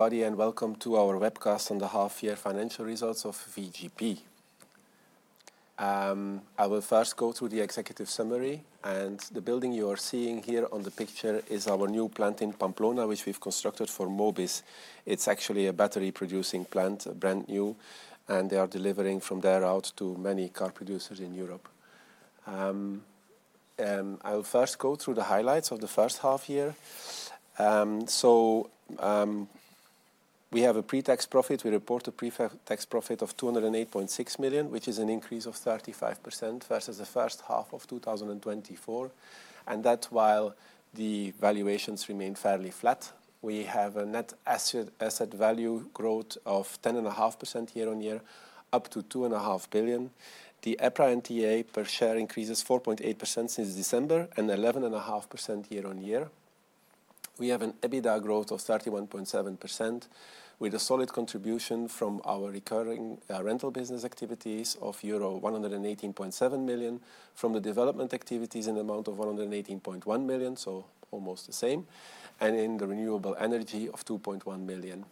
Welcome to our Webcast on the Half Year Financial Results of VGP. I will first go through the executive summary. The building you are seeing here on the picture is our new plant in Pamplona which we've constructed for Mobis. It's actually a battery producing plant, brand new, and they are delivering from there out to many car producers in Europe. I will first go through the highlights of the first half year. We have a pre-tax profit. We report a pre-tax profit of 208.6 million, which is an increase of 35% versus the first half of 2024. While the valuations remain fairly flat, we have a net asset value growth of 10.5% year-on-year, up to 2.5 billion. The EPRA NTA per share increases 4.8% since December and 11.5% year-on-year. We have an EBITDA growth of 31.7% with a solid contribution from our recurring rental business activities of euro 118.7 million, from the development activities in the amount of 118.1 million, so almost the same, and in the renewable energy of 2.1 million.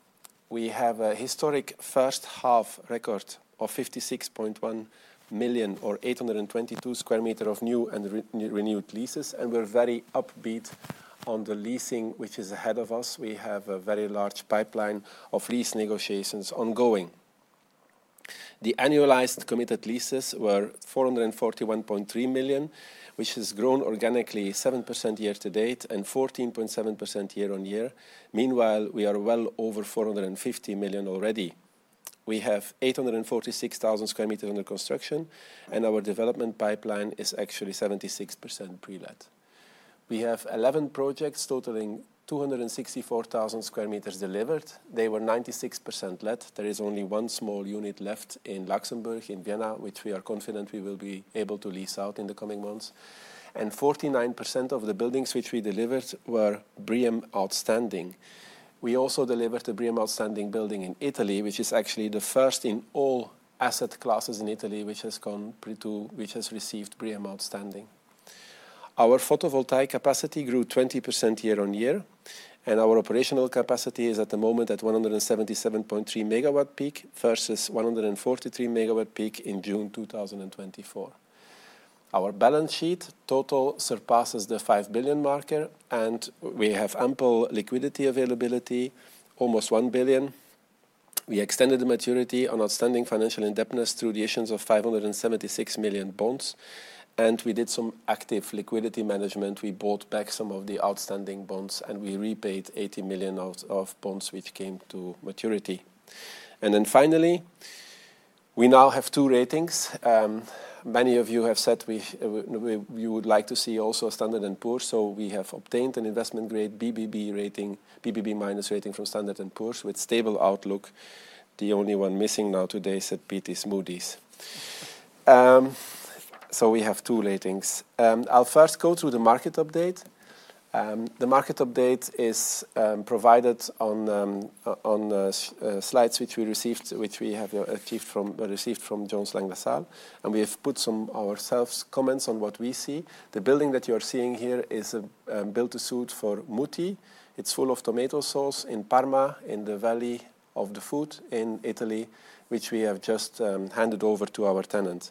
We have a historic first half record of 56.1 million, or 822,000 square meters of new and renewed leases, and we're very upbeat on the leasing which is ahead of us. We have a very large pipeline of lease negotiations ongoing. The annualized committed leases were 441.3 million, which has grown organically 7% year to date and 14.7% year-on-year. Meanwhile, we are well over 450 million already. We have 846,000 square meters under construction and our development pipeline is actually 76% pre-let. We have 11 projects totaling 264,000 square meters delivered. They were 96% let. There is only one small unit left in Luxembourg in Vienna, which we are confident we will be able to lease out in the coming months. 49% of the buildings which we delivered were BREEAM Outstanding. We also delivered the BREEAM Outstanding building in Italy, which is actually the first in all asset classes in Italy which has received BREEAM Outstanding. Our photovoltaic capacity grew 20% year-on-year, and our operational capacity is at the moment at 177.3 MWp versus 143 MWp in June 2024. Our balance sheet total surpasses the 5 billion marker and we have ample liquidity availability, almost 1 billion. We extended the maturity on outstanding financial indebtedness through the issuance of 576 million bonds, and we did some active liquidity management. We bought back some of the outstanding bonds and we repaid 80 million of bonds which came to maturity. Finally, we now have two ratings. Many of you have said you would like to see also Standard & Poor's. We have obtained an investment-grade BBB-/stable rating from Standard & Poor's with stable outlook. The only one missing now today is at PT smoothies. We have two lay things. I'll first go through the market update. The market update is provided on slides which we received from Jones Lang LaSalle and we have put ourselves comments on what we see. The building that you are seeing here is built to suit for Mutti. It's full of tomato sauce in Parma, in the Valley of the Food in Italy, which we have just handed over to our tenant.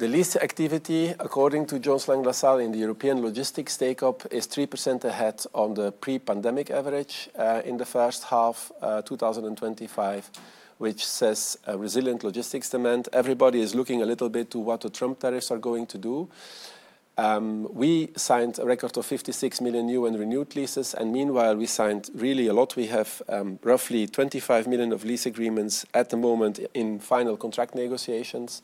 The lease activity according to Jones Lang LaSalle in the European logistics take-up is 3% ahead on the pre-pandemic average in the first half 2025, which says resilient logistics demand. Everybody is looking a little bit to what the Trump tariffs are going to do. We signed a record of 56 million new and renewed leases and meanwhile we signed really a lot. We have roughly 25 million of lease agreements at the moment. In final contract negotiations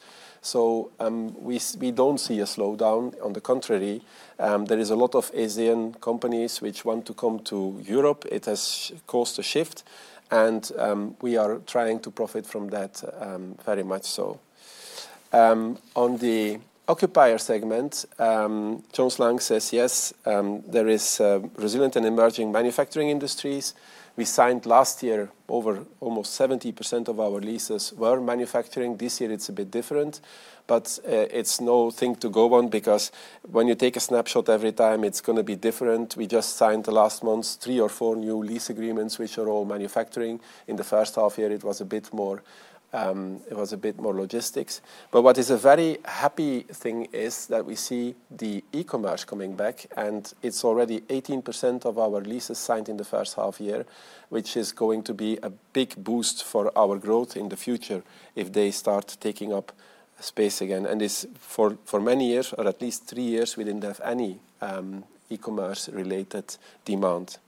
we don't see a slowdown. On the contrary, there is a lot of Asian companies which want to come to Europe. It has caused a shift and we are trying to profit from that very much so on the occupier segment. Jones Lang says yes, there is resilient and emerging manufacturing industries. We signed last year over almost 70% of our leases were manufacturing. This year it's a bit different but it's nothing to go on because when you take a snapshot every time it's going to be different. We just signed the last month three or four new lease agreements which are all manufacturing. In the first half year, it was a bit more. It was a bit more logistics. What is a very happy thing is that we see the e-commerce coming back and it's already 18% of our leases signed in the first half year, which is going to be a big boost for our growth in the future if they start taking up space again. For many years or at least three years we didn't have any e-commerce related demand.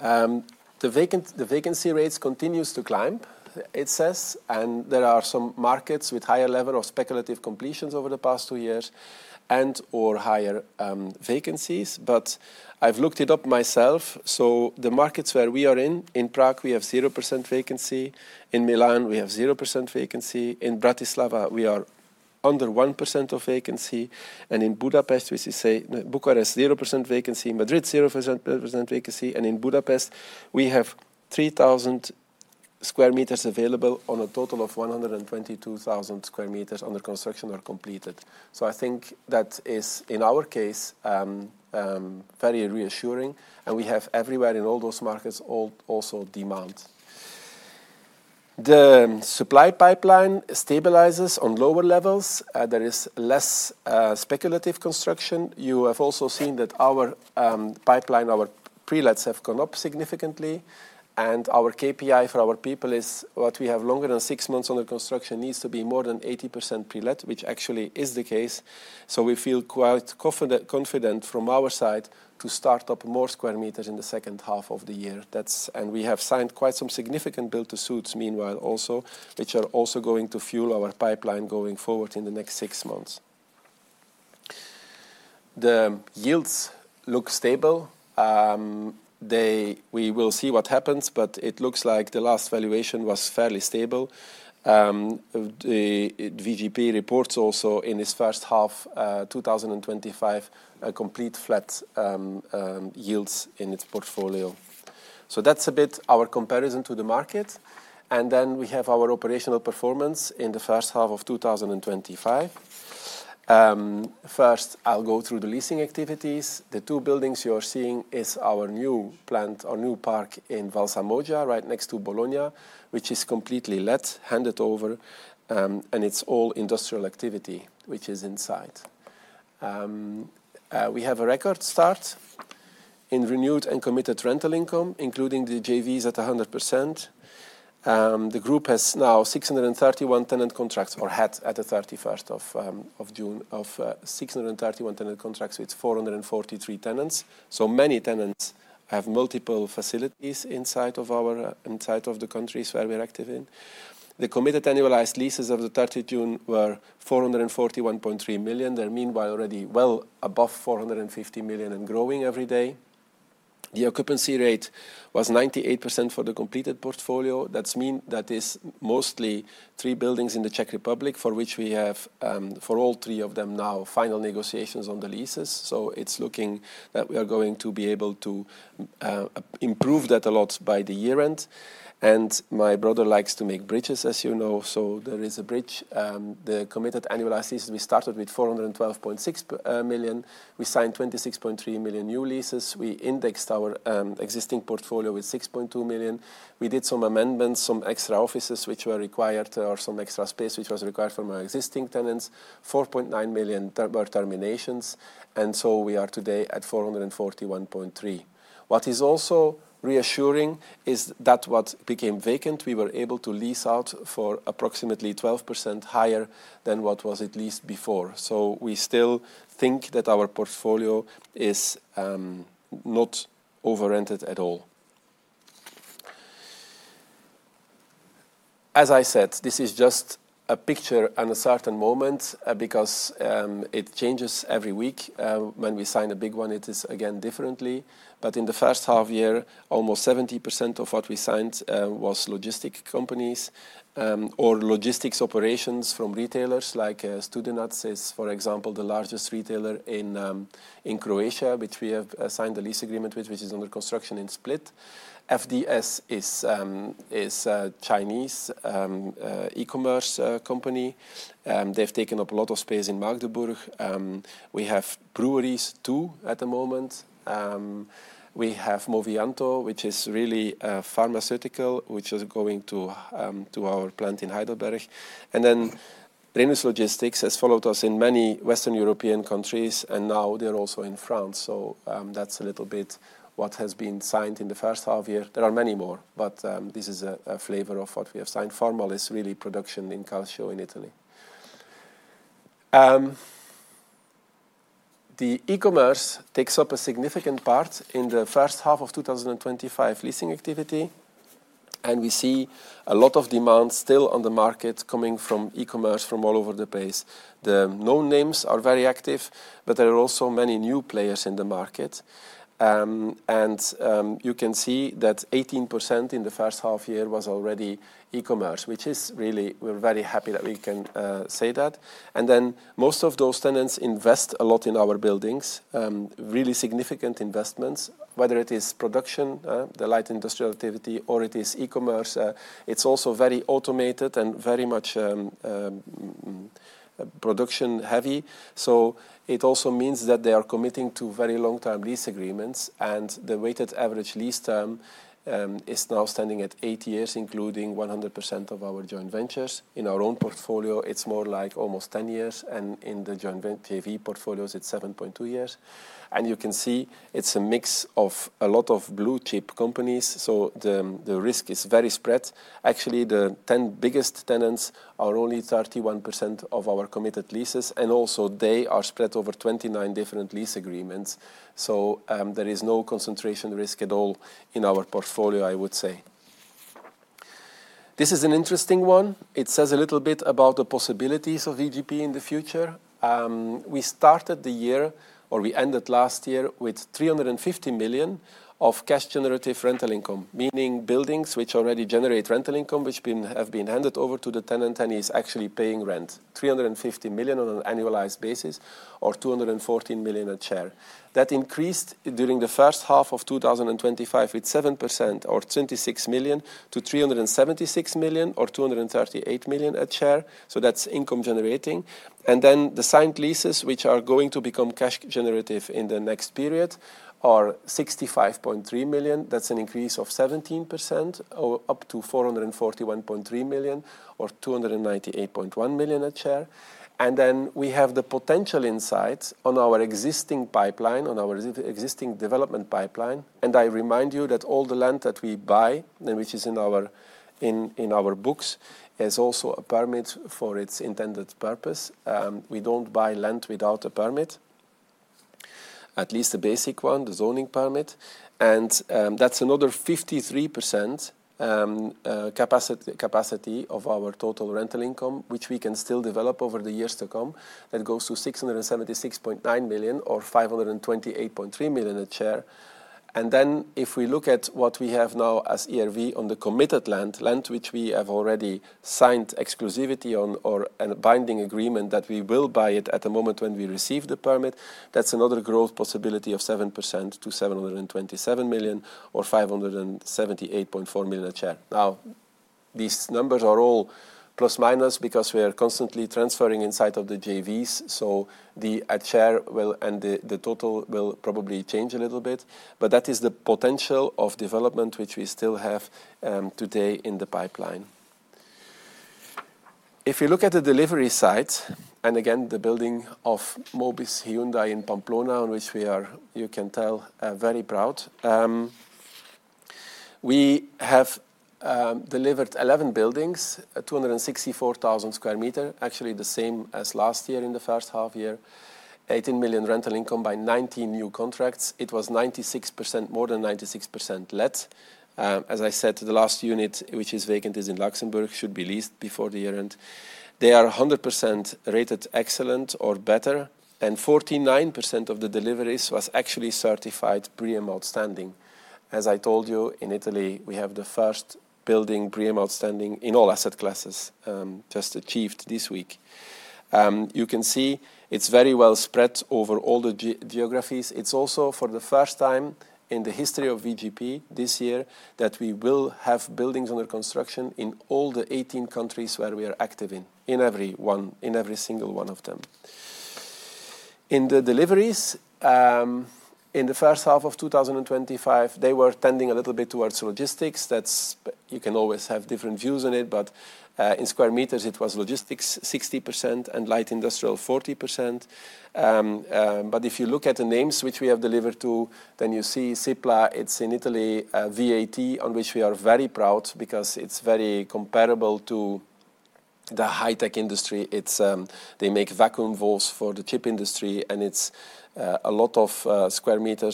The vacancy rates continue to climb, it says, and there are some markets with higher level of speculative completions over the past two years and or higher vacancies, but I've looked it up myself. The markets where we are in, in Prague we have 0% vacancy, in Milan we have 0% vacancy. In Bratislava we are under 1% of vacancy. In Budapest we say Bucharest 0% vacancy, Madrid 0% vacancy. In Budapest we have 3,000 square meters available on a total of 122,000 square meters on the construction are completed. I think that is in our case very reassuring. We have everywhere in all those markets also demand. The supply pipeline stabilizes on lower levels, there is less speculative construction. You have also seen that our pipeline, our pre-lets have gone up significantly. Our KPI for our people is what we have longer than six months on the construction needs to be more than 80% pre-let, which actually is the case. We feel quite confident from our side to start up more square meters in the second half of the year. We have signed quite some significant build-to-suits meanwhile also which are also going to fuel our pipeline going forward. In the next six months the yields look stable. We will see what happens. It looks like the last valuation was fairly stable. VGP reports also in its first half 2025 a complete flat yields in its portfolio. That's a bit our comparison to the market. Then we have our operational performance in the first half of 2025. I'll go through the leasing activities. The two buildings you are seeing is our new plant, our new park in Valsa Moggia, right next to Bologna, which is completely let, handed over, and it's all industrial activity which is inside. We have a record start in renewed and committed rental income, including the JVs at 100%. The group has now 631 tenant contracts or had at 30 June. 631 tenant contracts with 443 tenants. Many tenants have multiple facilities inside of the countries where we're active in. The committed annualized leases of the 30 June were 441.3 million. They're meanwhile already well above 450 million and growing every day. The occupancy rate was 98% for the completed portfolio. That means that is mostly three buildings in the Czech Republic for which we have for all three of them now final negotiations on the leases. It's looking that we are going to be able to improve that a lot by the year end. My brother likes to make bridges, as you know. There is a bridge. The committed annualized leases we started with 412.6 million. We signed 26.3 million new leases. We indexed our existing portfolio with 6.2 million. We did some amendments, some extra offices which were required or some extra space which was required from our existing tenants. 4.9 million terminations. We are today at 441.3 million. What is also reassuring is that what became vacant we were able to lease out for approximately 12% higher than what was at least before. We still think that our portfolio is not over rented at all. As I said, this is just a picture at a certain moment because it changes every week. When we sign a big one, it is again different. In the first half year, almost 70% of what we signed was logistics companies or logistics operations from retailers. Studenac is, for example, the largest retailer in Croatia, which we have signed a lease agreement with, which is under construction in Split. FDS is a Chinese e-commerce company. They've taken up a lot of space in Magdeburg. We have breweries too. At the moment we have Movianto, which is really pharmaceutical, which is going to our plant in Heidelberg. Reynolds Logistics has followed us in many Western European countries and now they're also in France. That's a little bit what has been signed in the first half year. There are many more, but this is a flavor of what we have signed. Farmal is really production in Calcio in Italy. The e-commerce takes up a significant part in the first half of 2025 leasing activity. We see a lot of demand still on the market coming from e-commerce from all over the place. The known names are very active, but there are also many new players in the market. You can see that 18% in the first half year was already e-commerce, which is really, we're very happy that we can say that. Most of those tenants invest a lot in our building, really significant investments. Whether it is production, the light industrial activity, or it is e-commerce, it's also very automated and very much production heavy. It also means that they are committing to very long-term lease agreements. The weighted average lease term is now standing at eight years, including 100% of our joint ventures. In our own portfolio, it's more like almost 10 years. In the joint venture portfolios it's 7.2 years. You can see it's a mix of a lot of blue-chip companies. The risk is very spread. The 10 biggest tenants are only 31% of our committed leases. They are also spread over 29 different lease agreements. There is no concentration risk at all in our portfolio. I would say this is an interesting one. It says a little bit about the possibilities of VGP in the future. We started the year, or we ended last year, with 350 million of cash generative rental income, meaning buildings which already generate rental income, which have been handed over to the tenant and he's actually paying rent. 350 million on an annualized basis or 214 million at share. That increased during the first half of 2025 with 7%, or 26 million, to 376 million or 238 million at share. That's income generating. The signed leases which are going to become cash generative in the next period are 65.3 million. That's an increase of 17% up to 441.3 million or 298.1 million at share. We have the potential insights on our existing pipeline, on our existing development pipeline. I remind you that all the land that we buy, which is in our books, is also a permit for its intended purpose. We don't buy land without a permit, at least the basic one, the zoning permit. That's another 53% capacity of our total rental income which we can still develop over the years to come. That goes to 676.9 million or 528.3 million at share. If we look at what we have now as ERV on the committed land, land which we have already signed exclusivity on, or a binding agreement that we will buy it at the moment when we receive the permit, that's another growth possibility of 7% to 727 million or 578.4 million at share. These numbers are all plus minus because we are constantly transferring inside of the joint ventures. The at share will and the total will probably change a little bit. That is the potential of development which we still have today in the pipeline. If you look at the delivery side, and again the building of Mobis Hyundai in Pamplona, on which we are, you can tell, very proud. We have delivered 11 buildings, 264,000 square meters. Actually the same as last year. In the first half year, 18 million rental income by 19 new contracts. It was more than 96% let. As I said, the last unit which is vacant is in Luxembourg, should be leased before the year end. They are 100% rated Excellent or better, and 49% of the deliveries was actually certified BREEAM Outstanding. As I told you, in Italy we have the first building, BREEAM Outstanding in all asset classes, just achieved this week. You can see it's very well spread over all the geographies. It's also for the first time in the history of VGP this year that we will have buildings under construction in all the 18 countries where we are active, in every single one of them. In the deliveries in the first half of 2025 they were tending a little bit towards logistics. You can always have different views on it, but in square meters it was logistics 60% and light industrial 40%. If you look at the names which we have delivered to, then you see Cipla, it's in Italy, VAT, on which we are very proud because it's very comparable to the high tech industry. They make vacuum walls for the chip industry and it's a lot of square meter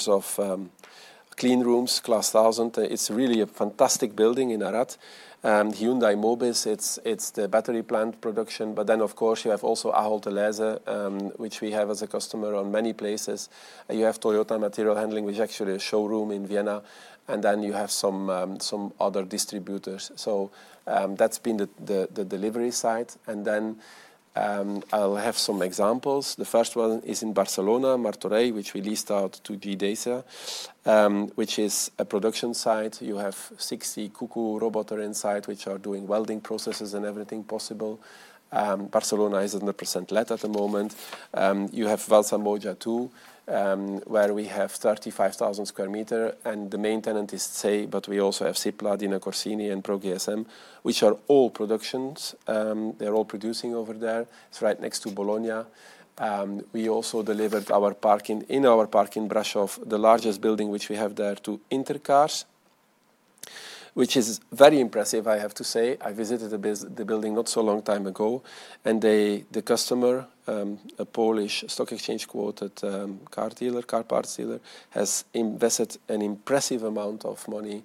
clean rooms class thousand. It's really a fantastic building in Arad. Hyundai Mobis, it's the battery plant production. Of course, you have also Ahold Delhaize, which we have as a customer in many places. You have Toyota Material Handling, which is actually a showroom in Vienna, and then you have some other distributors. That's been the delivery side. I'll have some examples. The first one is in Barcelona Martorell, which we leased out to DDESA, which is a production site. You have 60 KU.K.A robots inside which are doing welding processes and everything possible. Barcelona is 100% let at the moment. You have Valsamoggia too, where we have 35,000 square meters and the main tenant is SEAT. We also have Cipladina, Corsini, and Pro GSM, which are all productions. They're all producing over there, it's right next to Bologna. We also delivered our park in Brasov, the largest building which we have there, to Inter Cars, which is very impressive, I have to say. I visited the building not so long time ago and the customer, a Polish stock exchange quoted car parts dealer, has invested an impressive amount of money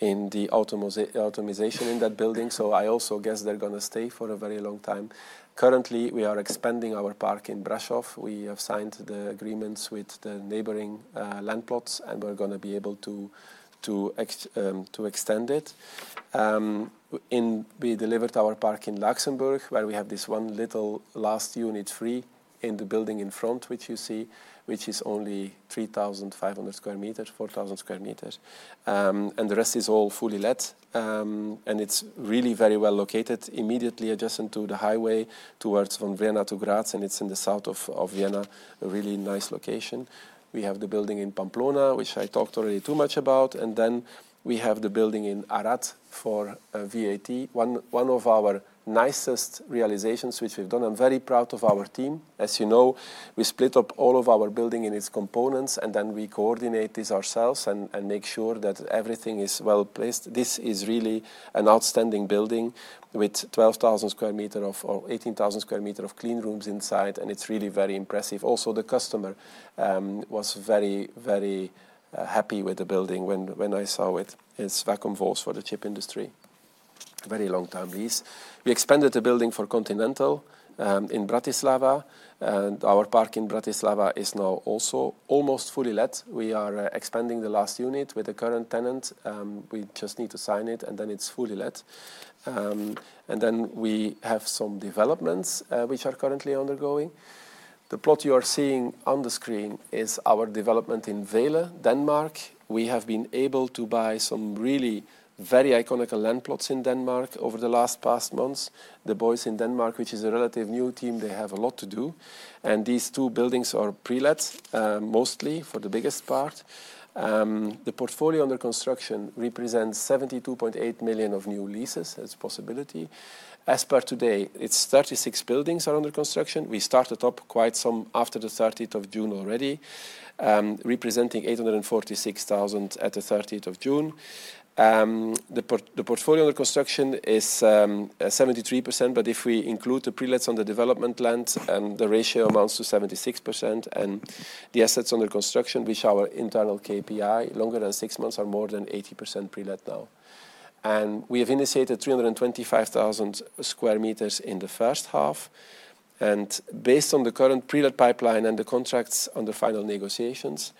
in the automation in that building. I also guess they're going to stay for a very long time. Currently we are expanding our park in Brasov. We have signed the agreements with the neighboring land plots and we're going to be able to extend it. We delivered our park in Luxembourg, where we have this one little last unit free in the building in front, which you see, which is only 3,500 square meters, 4,000 square meters and the rest is all fully let and it's really very well located immediately adjacent to the highway towards Vienna to Graz and it's in the south of Vienna. A really nice location. We have the building in Pamplona, which I talked already too much about, and then we have the building in Arad for VAT. One of our nicest realizations which we've done. I'm very proud of our team. As you know, we split up all of our building in its components and then we coordinate this ourselves and make sure that everything is well placed. This is really an outstanding building with 12,000 square meter or 18,000 square meter of clean rooms inside. It's really very impressive. Also, the customer was very, very happy with the building when I saw it. It's vacuum walls for the chip industry. Very long time lease. We expanded the building for Continental in Bratislava and our park in Bratislava is now also almost fully let. We are expanding the last unit with the current tenant. We just need to sign it and then it's fully let. We have some developments which are currently undergoing. The plot you are seeing on the screen is our development in Vela, Denmark. We have been able to buy some really very iconic land plots in Denmark over the last past months. The boys in Denmark, which is a relatively new team, they have a lot to do and these two buildings are pre-lets mostly for the biggest part. The portfolio under construction represents 72.8 million of new leases as a possibility. As per today, it's 36 buildings are under construction. We started up quite some after the 30th of June already representing 846,000. At the 30th of June, the portfolio under construction is 73%. If we include the pre-lets on the development land, the ratio amounts to 76% and the assets under construction which our internal KPI longer than six months are more than 80% pre-let now. We have initiated 325,000 square meters in the first half. Based on the current pre-let pipeline and the contracts on the final negotiations,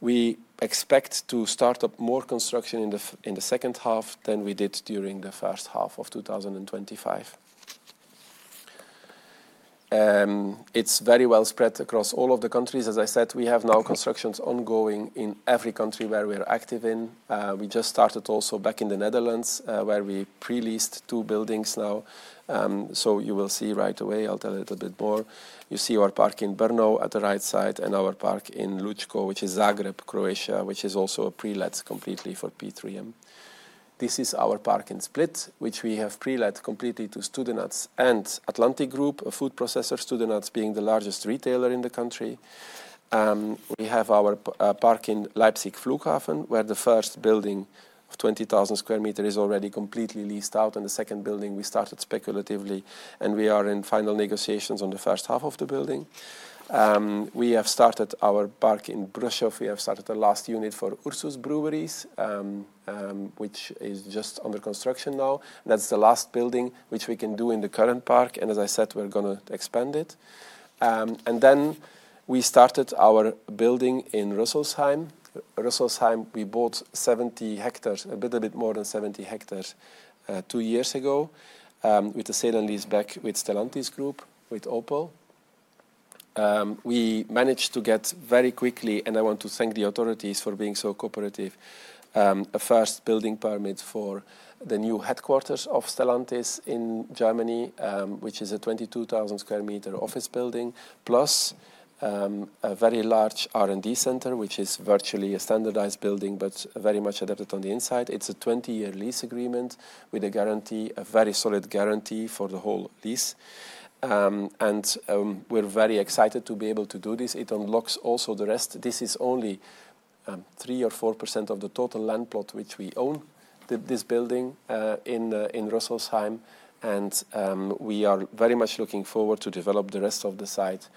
we expect to start up more construction in the second half than we did during the first half of 2025. It's very well spread across all of the countries. As I said, we have now constructions ongoing in every country where we are active in. We just started also back in the Netherlands where we pre-leased two buildings now. You will see right away, I'll tell a little bit more. You see our park in Brno at the right side and our park in Lučko, which is Zagreb, Croatia, which is also a pre-let complet for P3M. This is our park in Split, which we have pre-let completely to Studenac and Atlantic Group. Food processor Studenac being the largest retailer in the country. We have our park in Leipzig, Flughafen, where the first building of 20,000 square meter is already completely leased out. The second building we started speculatively and we are in final negotiations on the first half of the building. We have started our park in Brasov. We have started the last unit for Ursus Breweries, which is just under construction now. That's the last building which we can do in the current park. As I said, we are going to expand it. We started our building in Rüsselsheim. Rüsselsheim. We bought 70 hectares, a little bit more than 70 hectares, two years ago with the sale and lease back with Stellantis Group, with Opel we managed to get very quickly. I want to thank the authorities for being so cooperative. A first building permit. The new headquarters of Stellantis in Germany, which is a 22,000 square meter office building, plus a very large R&D center, which is virtually a standardized building, but very much adapted on the inside. It's a 20-year lease agreement with a guarantee, a very solid guarantee for the whole lease. We are very excited to be able to do this. It unlocks also the rest. This is only 3% or 4% of the total land plot which we own, this building in Rüsselsheim. We are very much looking forward to develop the rest of the site,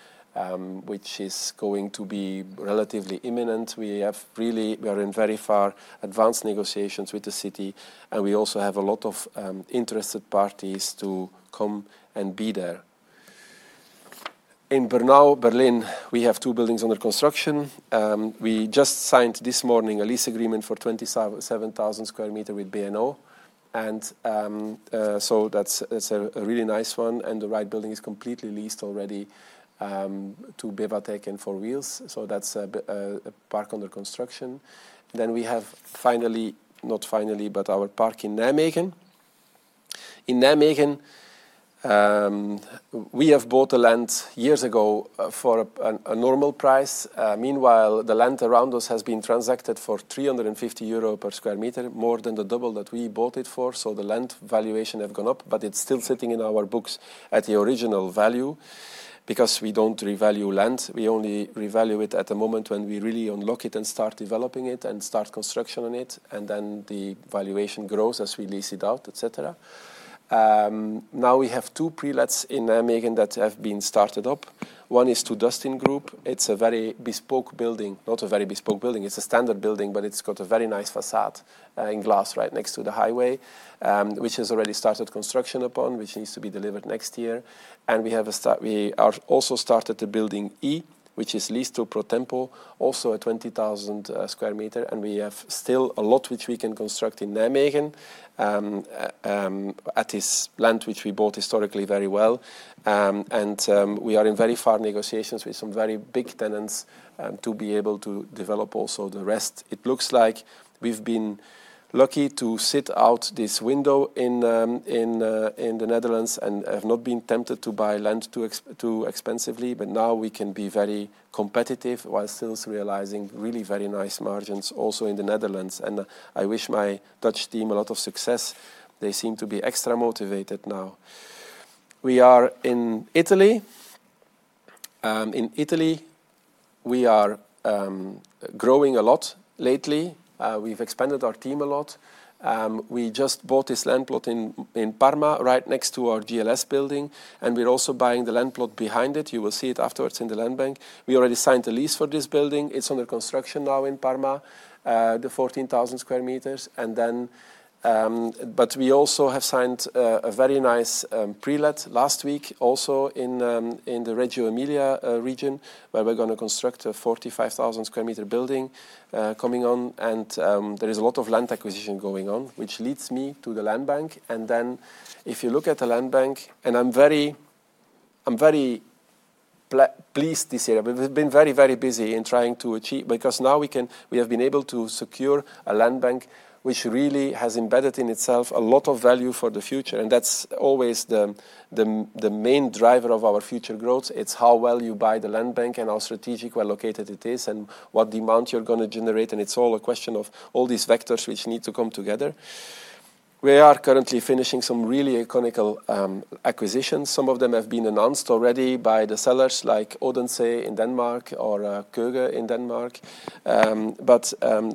which is going to be relatively imminent. We are in very far advanced negotiations with the city and we also have a lot of interested parties to come and be there. In Brno Berlin we have two buildings under construction. We just signed this morning a lease agreement for 27,000 square meter with B&O. That's a really nice one. The right building is completely leased already to Bewatek and Four Wheels. That's a park under construction. Not finally, but our park in Nijmegen. In Nijmegen, we have bought the land years ago for a normal price. Meanwhile, the land around us has been transacted for 350 euro per square meter, more than double that we bought it for. The land valuation have, but it's still sitting in our books at the original value because we don't revalue land, we only revalue it at the moment when we really unlock it and start developing it and start construction on it, and then the valuation grows as we lease it out, etc. Now we have two pre-lets in Nijmegen that have been started up. One is to Dustin Group. It's a very bespoke building. Not a very bespoke building, it's a standard building, but it's got a very nice facade in glass right next to the highway, which has already started construction upon, which needs to be delivered next year. We also started the building E, which is Liszto Pro Temple, also a 20,000 square meter. We have still a lot which we can construct in Nijmegen at this land which we bought historically very well. We are in very far negotiations with some very big tenants to be able to develop also the rest. It looks like we've been lucky to sit out this window in the Netherlands and have not been tempted to buy land expensively. Now we can be very competitive while still realizing really very nice margins also in the Netherlands, and I wish my Dutch team a lot of success. They seem to be extra motivated. Now we are in Italy. In Italy, we are growing a lot. Lately we've expanded our team a lot. We just bought this land plot in Parma right next to our GLS building, and we're also buying the land plot behind it. You will see it afterwards in the Land Bank. We already signed the lease for this building. It's under construction now in Parma, the 14,000 square meters. We also have signed a very nice pre-let last week also in the Reggio Emilia region, where we're going to construct a 45,000 square meter building coming on. There is a lot of land acquisition going on, which leads me to the Land Bank. If you look at the Land Bank, I'm very pleased. This year we've been very, very busy in trying to achieve because now we can. We have been able to secure a land bank which really has embedded in itself a lot of value for the future. That's always the main driver of our future growth. It's how well you buy the Land Bank and how strategic, well-located it is and what demand you're going to generate. It's all a question of all these vectors which need to come together. We are currently finishing some really iconic acquisitions. Some of them have been announced already by the sellers, like Odense in Denmark or Køge in Denmark.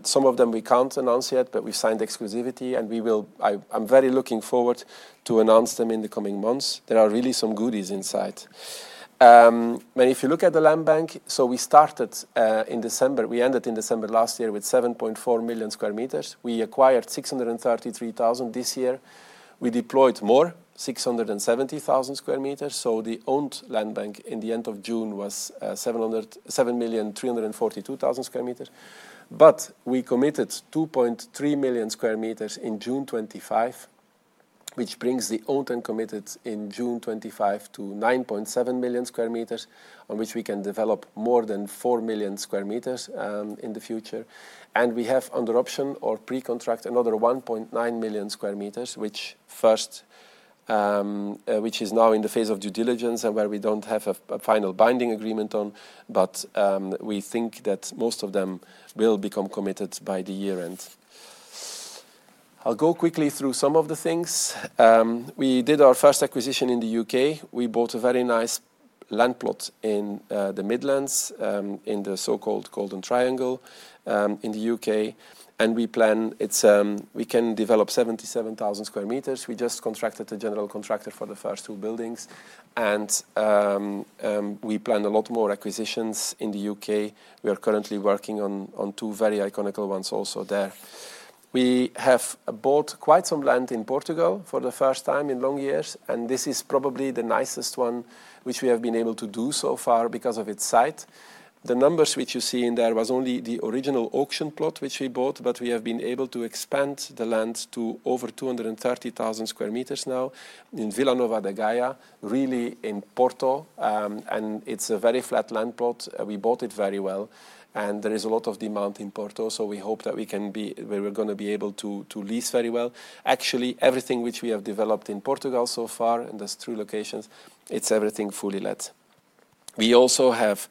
Some of them we can't announce yet, but we signed exclusivity and I am very much looking forward to announce them in the coming months. There are really some goodies inside if you look at the Land Bank. We started in December, we ended in December last year with 7.4 million square meters. We acquired 633,000 square meters. This year we deployed more, 670,000 square meters. The owned land bank at the end of June was 7,342,000 square meters. We committed 2.3 million square meters in June 2025, which brings the owned and committed in June 2025 to 9.7 million square meters, on which we can develop more than 4 million square meters in the future. We have under option or pre-contract another 1.9 million square meters, which is now in the phase of due diligence and where we don't have a final binding agreement. We think that most of them will become committed by the year end. I'll go quickly through some of the things we did. Our first acquisition in the U.K., we bought a very nice land plot in the Midlands in the so-called Golden Triangle in the U.K., and we plan we can develop 77,000 square meters. We just contracted a general contractor for the first two buildings, and we planned a lot more acquisitions in the U.K. We are currently working on two very iconic ones also there. We have bought quite some land in Portugal for the first time in long years. This is probably the nicest one which we have been able to do so far because of its site. The numbers which you see in there was only the original auction plot which we bought, but we have been able to expand the land to over 230,000 square meters now in Vila Nova de Gaia, really in Porto. It's a very flat land plot. We bought it very well, and there is a lot of demand in Porto. We hope that we can be, we're going to be able to lease very well actually everything which we have developed in Portugal so far in those three locations. It's everything fully let. We also have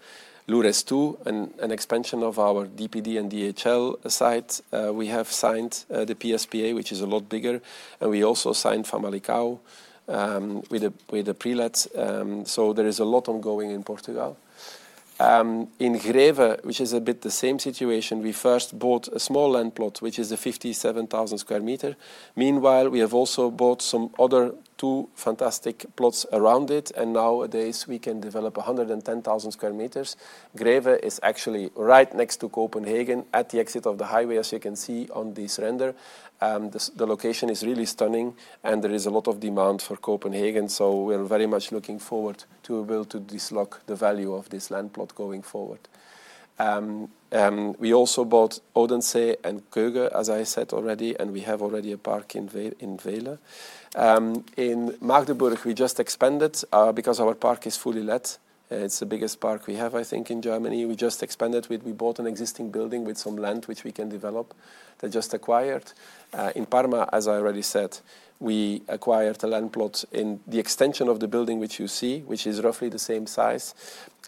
Loures 2, an expansion of our DPD and DHL site. We have signed the PSPA, which is a lot bigger, and we also signed Family Cow with the pre-let. There is a lot ongoing in Portugal. In Greve, which is a bit the same situation, we first bought a small land plot which is a 57,000 square meter. Meanwhile, we have also bought some other two fantastic plots around it. Nowadays, we can develop 110,000 square meters. Greve is actually right next to Copenhagen at the exit of the highway. As you can see on this render, the location is really stunning. There is a lot of demand for Copenhagen. We are very much looking forward to build to unlock the value of this land plot going forward. We also bought Odense and Køge, as I said already. We have already a park in Wehle, in Magdeburg. We just expanded because our park is fully let. It's the biggest park we have, I think, in Germany. We just expanded with. We bought an existing building with some land which we can develop. They just acquired in Parma, as I already said that we acquired a land plot in the extension of the building which you see, which is roughly the same size.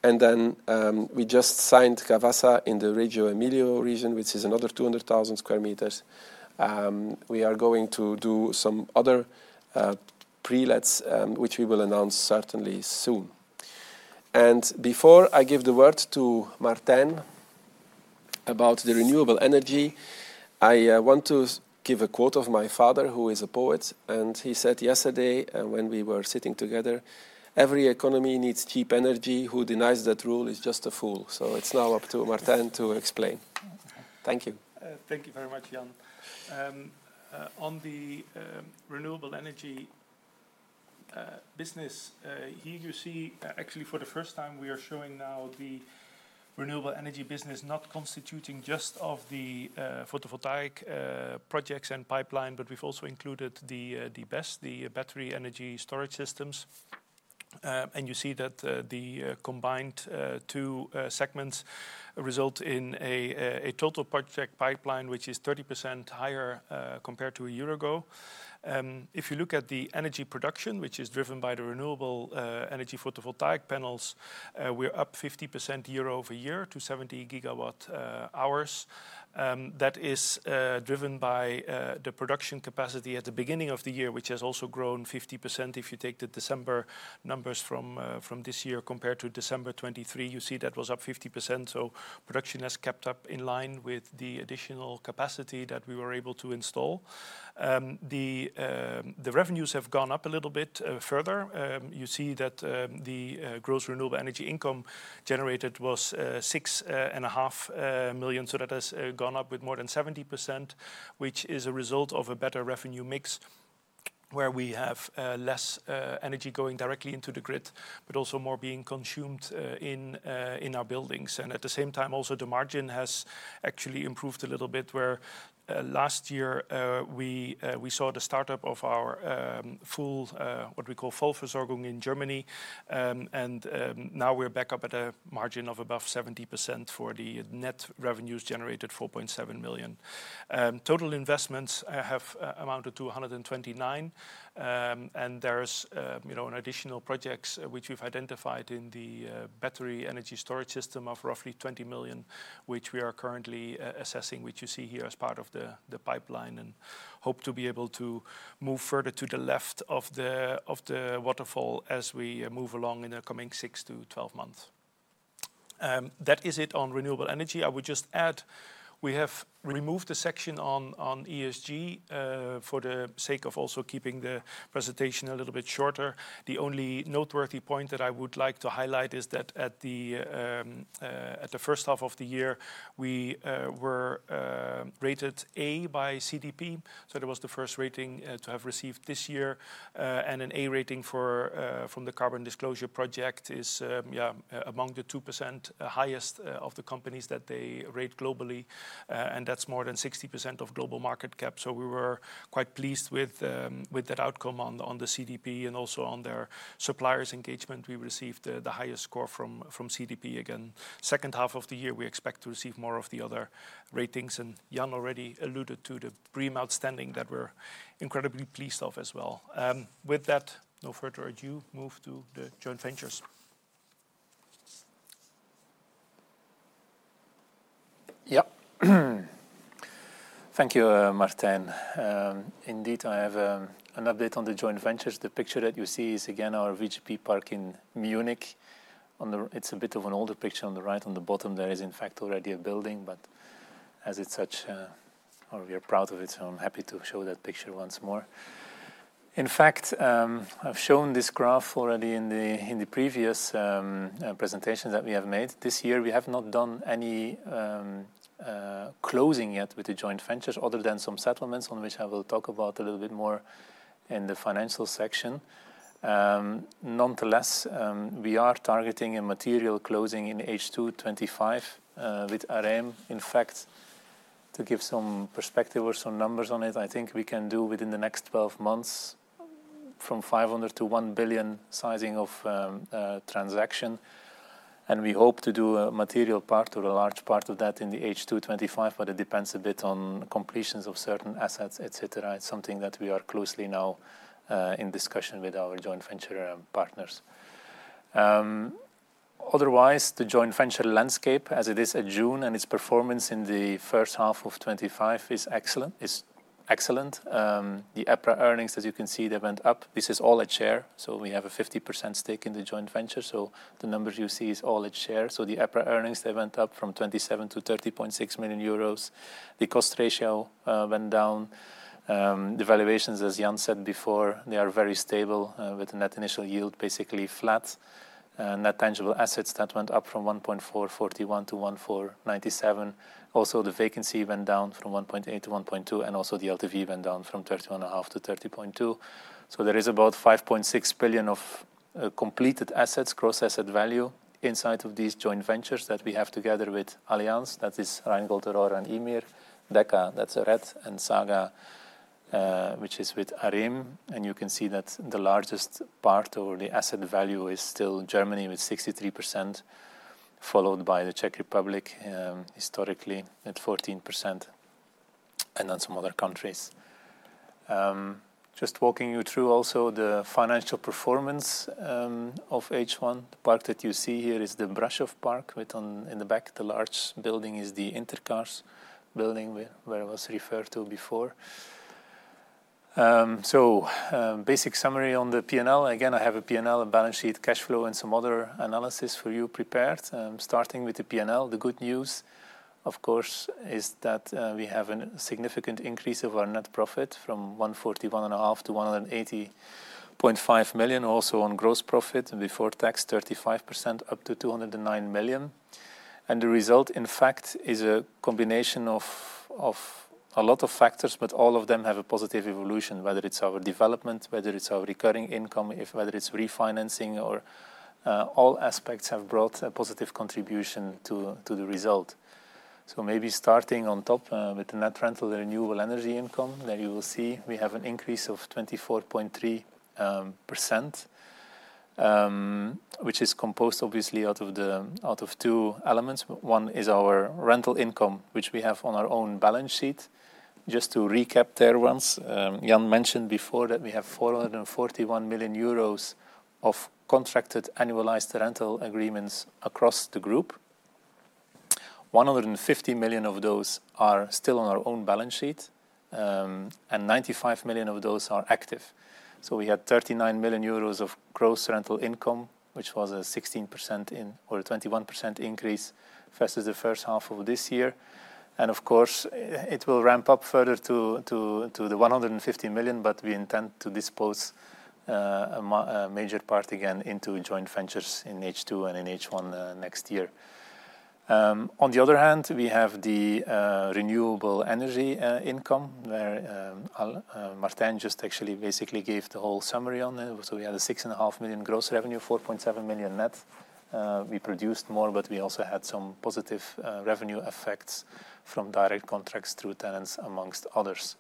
We just signed Cavassa in the Reggio Emilia region, which is another 200,000 square meters. We are going to do some other pre-lets which we will announce certainly soon. Before I give the word to Martijn about the renewable energy, I want to give a quote of my father, who is a poet. He said yesterday when we were sitting together, every economy needs cheap energy. Who denies that rule is just a fool. It's now up to Martijn to explain. Thank you. Thank you very much, Jan. On the renewable energy. Business here you see, actually for the first time we are showing now the renewable energy business not constituting just of the photovoltaic projects and pipeline, but we've also included the BESS, the battery energy storage systems. You see that the combined two segments result in a total project pipeline, which is 30% higher compared to a year ago. If you look at the energy production, which is driven by the renewable energy photovoltaic panels, we're up 50% year-over-year to 70 GWh. That is driven by the production capacity at the beginning of the year, which has also grown 50%. If you take the December numbers from this year compared to December 2023, you see that was up 50%. Production has kept up in line with the additional capacity that we were able to install. The revenues have gone up a little bit further. You see that the gross renewable energy income generated was 6.5 million. That has gone up with more than 70%, which is a result of a better revenue mix where we have less energy going directly into the grid, but also more being consumed in our buildings. At the same time, also the margin has actually improved a little bit. Where last year we saw the startup of our full, what we call Volfesorgung in Germany. Now we're back up at a margin of above 70% for the net revenues generated, 4.7 million. Total investments have amounted to 129 million and there's an additional project which we've identified in the battery energy storage system of roughly 20 million which we are currently assessing, which you see here as part of the pipeline and hope to be able to move further to the left of the waterfall as we move along in the coming six to 12 months. That is it on renewable energy. I would just add we have removed the section on ESG for the sake of also keeping the presentation a little bit shorter. The only noteworthy point that I would like to highlight is that at the first half of the year we were rated A by CDP. That was the first rating to have received this year. An A rating from the Carbon Disclosure Project is among the top 2% of the companies that they rate globally and that's more than 60% of global market cap. We were quite pleased with that outcome on the CDP and also on their suppliers engagement. We received the highest score from CDP. Second half of the year we expect to receive more of the other ratings and Jan already alluded to the dream outstanding that we're incredibly pleased of as well. With that, no further ado. Move to the joint ventures. Yep. Thank you, Martijn. Indeed, I have an update on the joint ventures. The picture that you see is again our VGP Park in Munich. It's a bit of an older picture. On the right on the bottom there is in fact already a building, but as it's such or we are proud of it, so I'm happy to show that picture once more. In fact, I've shown this graph already in the previous presentations that we have made this year. We have not done any closing yet with the joint ventures other than some settlements on which I will talk about a little bit more in the financial sector. Nonetheless, we are targeting a material closing in H2 2025 with ARIM. In fact, to give some perspective or some numbers on it, I think we can do within the next 12 months from 500 million-1 billion sizing of transaction and we hope to do a material part or a large part of that in the H2 2025, but it depends a bit on completions of certain assets etc. It's something that we are closely now in discussion with our joint venture partners. Otherwise, the joint venture landscape as it is at June and its performance in H1 2025 is excellent. The EPRA earnings as you can see they went up. This is all at share. So we have a 50% stake in the joint venture. The numbers you see is all at share. The EPRA earnings went up from 27 million-30.6 million euros. The cost ratio went down. The valuations, as Jan said before, they are very stable with the net initial yield basically flat. Net tangible assets went up from 1.41 billion to 1.497 billion. Also, the vacancy went down from 1.8% to 1.2% and also the LTV went down from 31.5% to 30.2%. There is about 5.6 billion of completed assets. Gross asset value inside of these joint ventures that we have together with Allianz, that is Rheingold, Aurora and Immo Deka, that's Red and Saga, which is with ARIM. You can see that the largest part or the asset value is still Germany with 63%, followed by the Czech Republic historically at 14% and then some other countries just walking you through. Also, the financial performance of H1. The park that you see here is the Brasov Park with on in the back. The large building is the Intercars building where I was referred to before. Basic summary on the P&L again I have a P&L, a balance sheet, cash flow and some other analysis for you prepared starting with the good news of course is that we have a significant increase of our net profit from 141.5 million to 180.5 million. Also on gross profit and before tax 35% up to 209 million. The result in fact is a combination of a lot of factors, but all of them have a positive evolution. Whether it's our development, whether it's our recurring income, whether it's refinancing, all aspects have brought a positive contribution to the result. Maybe starting on top with the net rental renewable energy income, there you will see we have an increase of 24.3% which is composed obviously out of two elements. One is our rental income which we have on our own balance sheet. Just to recap there, once Jan mentioned before that we have 441 million euros of contracted annualized rental agreements across the group. 150 million of those are still on our own balance sheet and 95 million of those are active. We had 39 million euros of gross rental income which was a 16% or 21% increase versus the first half of this year. It will ramp up further to the 150 million. We intend to dispose a major part again into joint ventures in H2 and in H1 next year. On the other hand, we have the renewable energy income where Martijn just actually basically gave the whole summary on it. We had a 6.5 million gross revenue, 4.7 million net. We produced more, but we also had some positive revenue effects from direct contracts through tenants amongst others.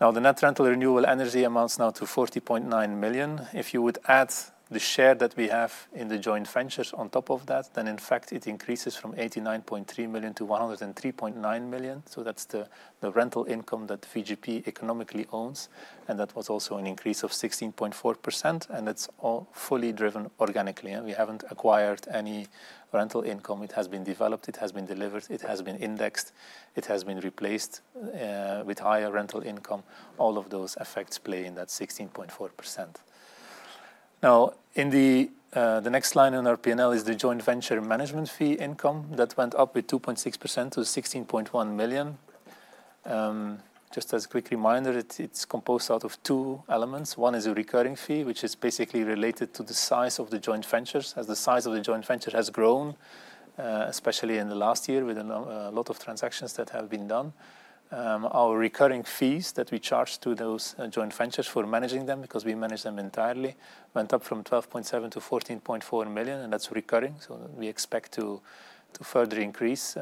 Now the net rental renewable energy amounts now to 40.9 million. If you would add the share that we have in the joint ventures on top of that, then in fact it increases from 89.3 million to 103.9 million. That's the rental income that VGP economically owns and that was also an increase of 16.4%. That's all fully driven organically. We haven't acquired any rental income. It has been developed, it has been delivered, it has been indexed, it has been replaced with higher rental income. All of those effects play in that 16.4%. Now, the next line on our P&L is the joint venture management fee income that went up with 2.6% to 16.1 million. Just as a quick reminder, it's composed out of two elements. One is a recurring fee which is basically related to the size of the joint ventures. As the size of the joint venture has grown, especially in the last year with a lot of transactions that have been done, our recurring fees that we charge to those joint ventures for managing them, because we manage them internally, went up from 12.7 million to 14.4 million. That's recurring. We expect to further increase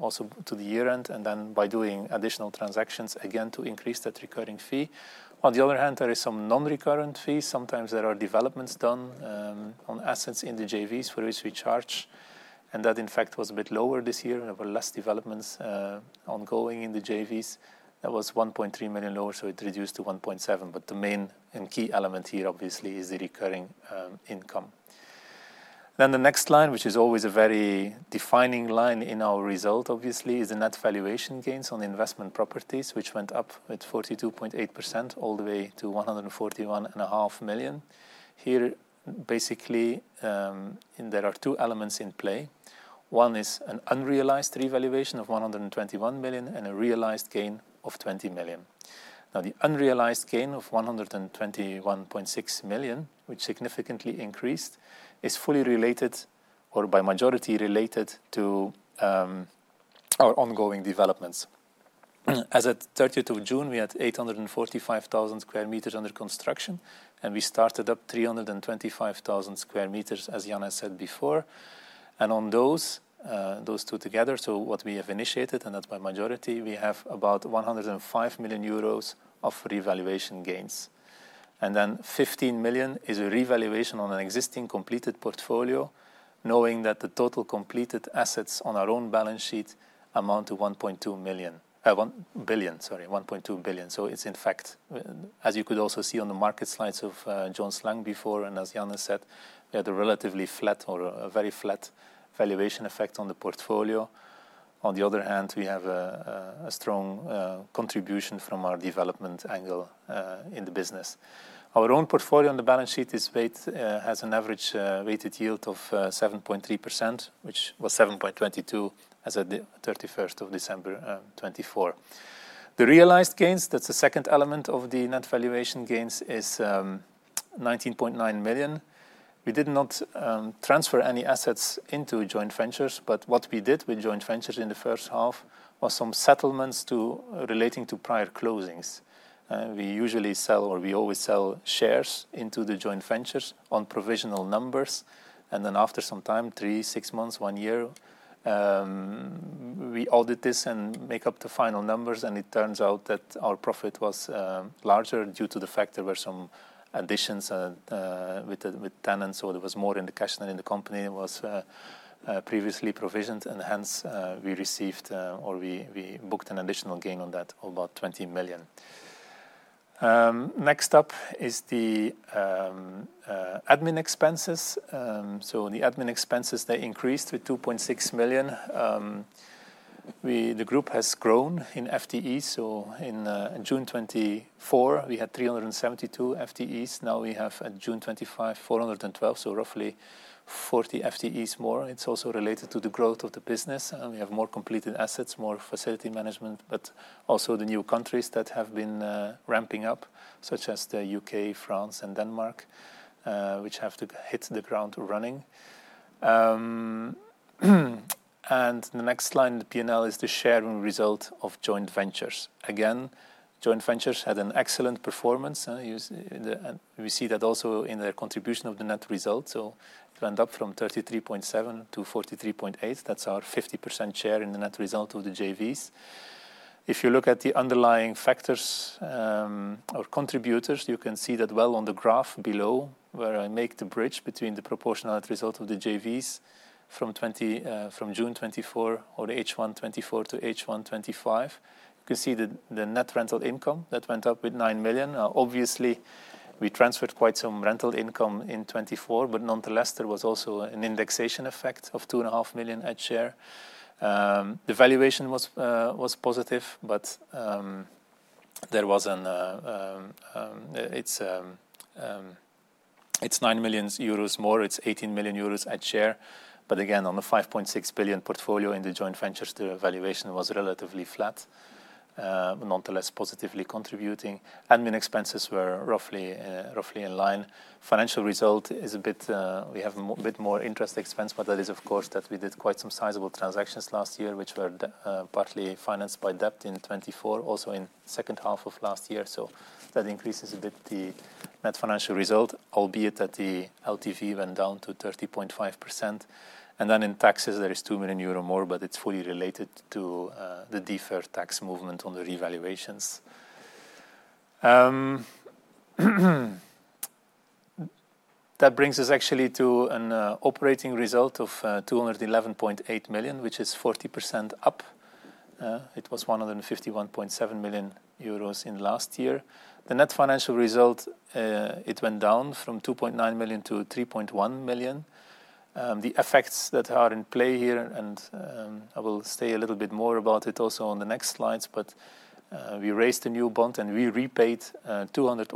also to the year end and then by doing additional transactions again to increase that recurring fee. On the other hand, there is some non-recurrent fees. Sometimes there are developments done on assets in the JVs for which we charge and that in fact was a bit lower. This year there were less developments ongoing in the JVs. That was 1.3 million lower, so it reduced to 1.7 million. The main and key element here obviously is the recurring income. The next line, which is always a very defining line in our result, obviously is the net valuation gains on investment properties which went up with 42.8% all the way to 141.5 million. Here basically there are two elements in play. One is an unrealized revaluation of 121 million and a realized gain of 20 million. The unrealized gain of 121.6 million, which significantly increased, is fully related or by majority related to our ongoing developments. As at 30th of June we had 845,000 square meters under construction and we started up 325,000 square meters, as Jan said before. On those two together, so what we have initiated, and that's by majority, we have about 105 million euros of revaluation gains and then 15 million is a revaluation on an existing completed portfolio. Knowing that the total completed assets on our own balance sheet amount to 1.2 billion. So it's in fact, as you could also see on the market slides of Jan before, and as Jan said, we had a relatively flat or a very flat valuation effect on the portfolio. On the other hand, we have a strong contribution from our development angle in the business. Our own portfolio on the balance sheet has an average weighted yield of 7.3%, which was 7.22% as at 31 December 2024. The realized gains, that's the second element of the net valuation gains, is 19.9 million. We did not transfer any assets into joint ventures, but what we did with joint ventures in the first half was some settlements relating to prior closings. We usually sell, or we always sell shares into the joint ventures on provisional numbers. After some time, three, six months, one year, we audit this and make up the final numbers. It turns out that our profit was larger due to the fact there were some additions with tenants. There was more in the cash than in the company was previously provisioned, and hence we received, or we booked an additional gain, about 20 million. Next up is the admin expenses. The admin expenses increased to 2.6 million. The group has grown in FTE. In June 2024 we had 372 FTEs. Now we have at June 2025, 412, so roughly 40 FTEs more. It's also related to the growth of the business and we have more completed assets, more facility management, but also the new countries that have been ramping up, such as the U.K., France, and Denmark, which have to hit the ground running. The next line, the P&L, is the sharing result of joint ventures. Again, joint ventures had an excellent performance and we see that also in the contribution of the net result. It went up from 33.7 million to 43.8 million. That's our 50% share in the net result of the JVs. If you look at the underlying factors or contributors, you can see that well on the graph below, where I make the bridge between the proportional net result of the JVs from June 2024 or H1 2024 to H1 2025. You can see that the net rental income went up by 9 million. Obviously we transferred quite some rental income in 2024. Nonetheless, there was also an indexation effect of 2.5 million a share. The valuation was positive, it's 9 million euros more, it's 18 million euros at share. On the 5.6 billion portfolio in the joint ventures, the valuation was relatively flat, nonetheless positively contributing. Admin expenses were roughly in line. Financial result is a bit, we have a bit more interest expense, but that is of course that we did quite some sizable transactions last year which were partly financed by debt in 2024 also in the second half of last year. That increases a bit the net financial result, albeit that the LTV went down to 30.5%. In taxes there is 2 million euro more, but it's fully related to the deferred tax movement on the revaluations. That brings us actually to an operating result of 211.8 million, which is 40% up. It was 151.7 million euros in last year. The net financial result went down from 2.9 million to 3.1 million. The effects that are in play here, I will say a little bit more about it also on the next slides. We raised a new bond and we repurchased 200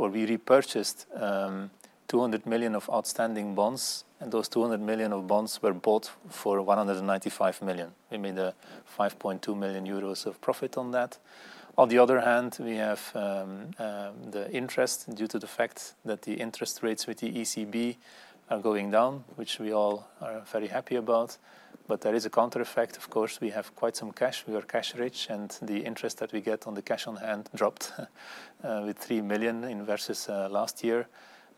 million of outstanding bonds and those 200 million of bonds were bought for 195 million. We made 5.2 million euros of profit on that. On the other hand, we have the interest due to the fact that the interest rates with the ECB are going down, which we all are very happy about. There is a counter effect. Of course we have quite some cash. We are cash rich and the interest that we get on the cash on hand dropped by 3 million versus last year.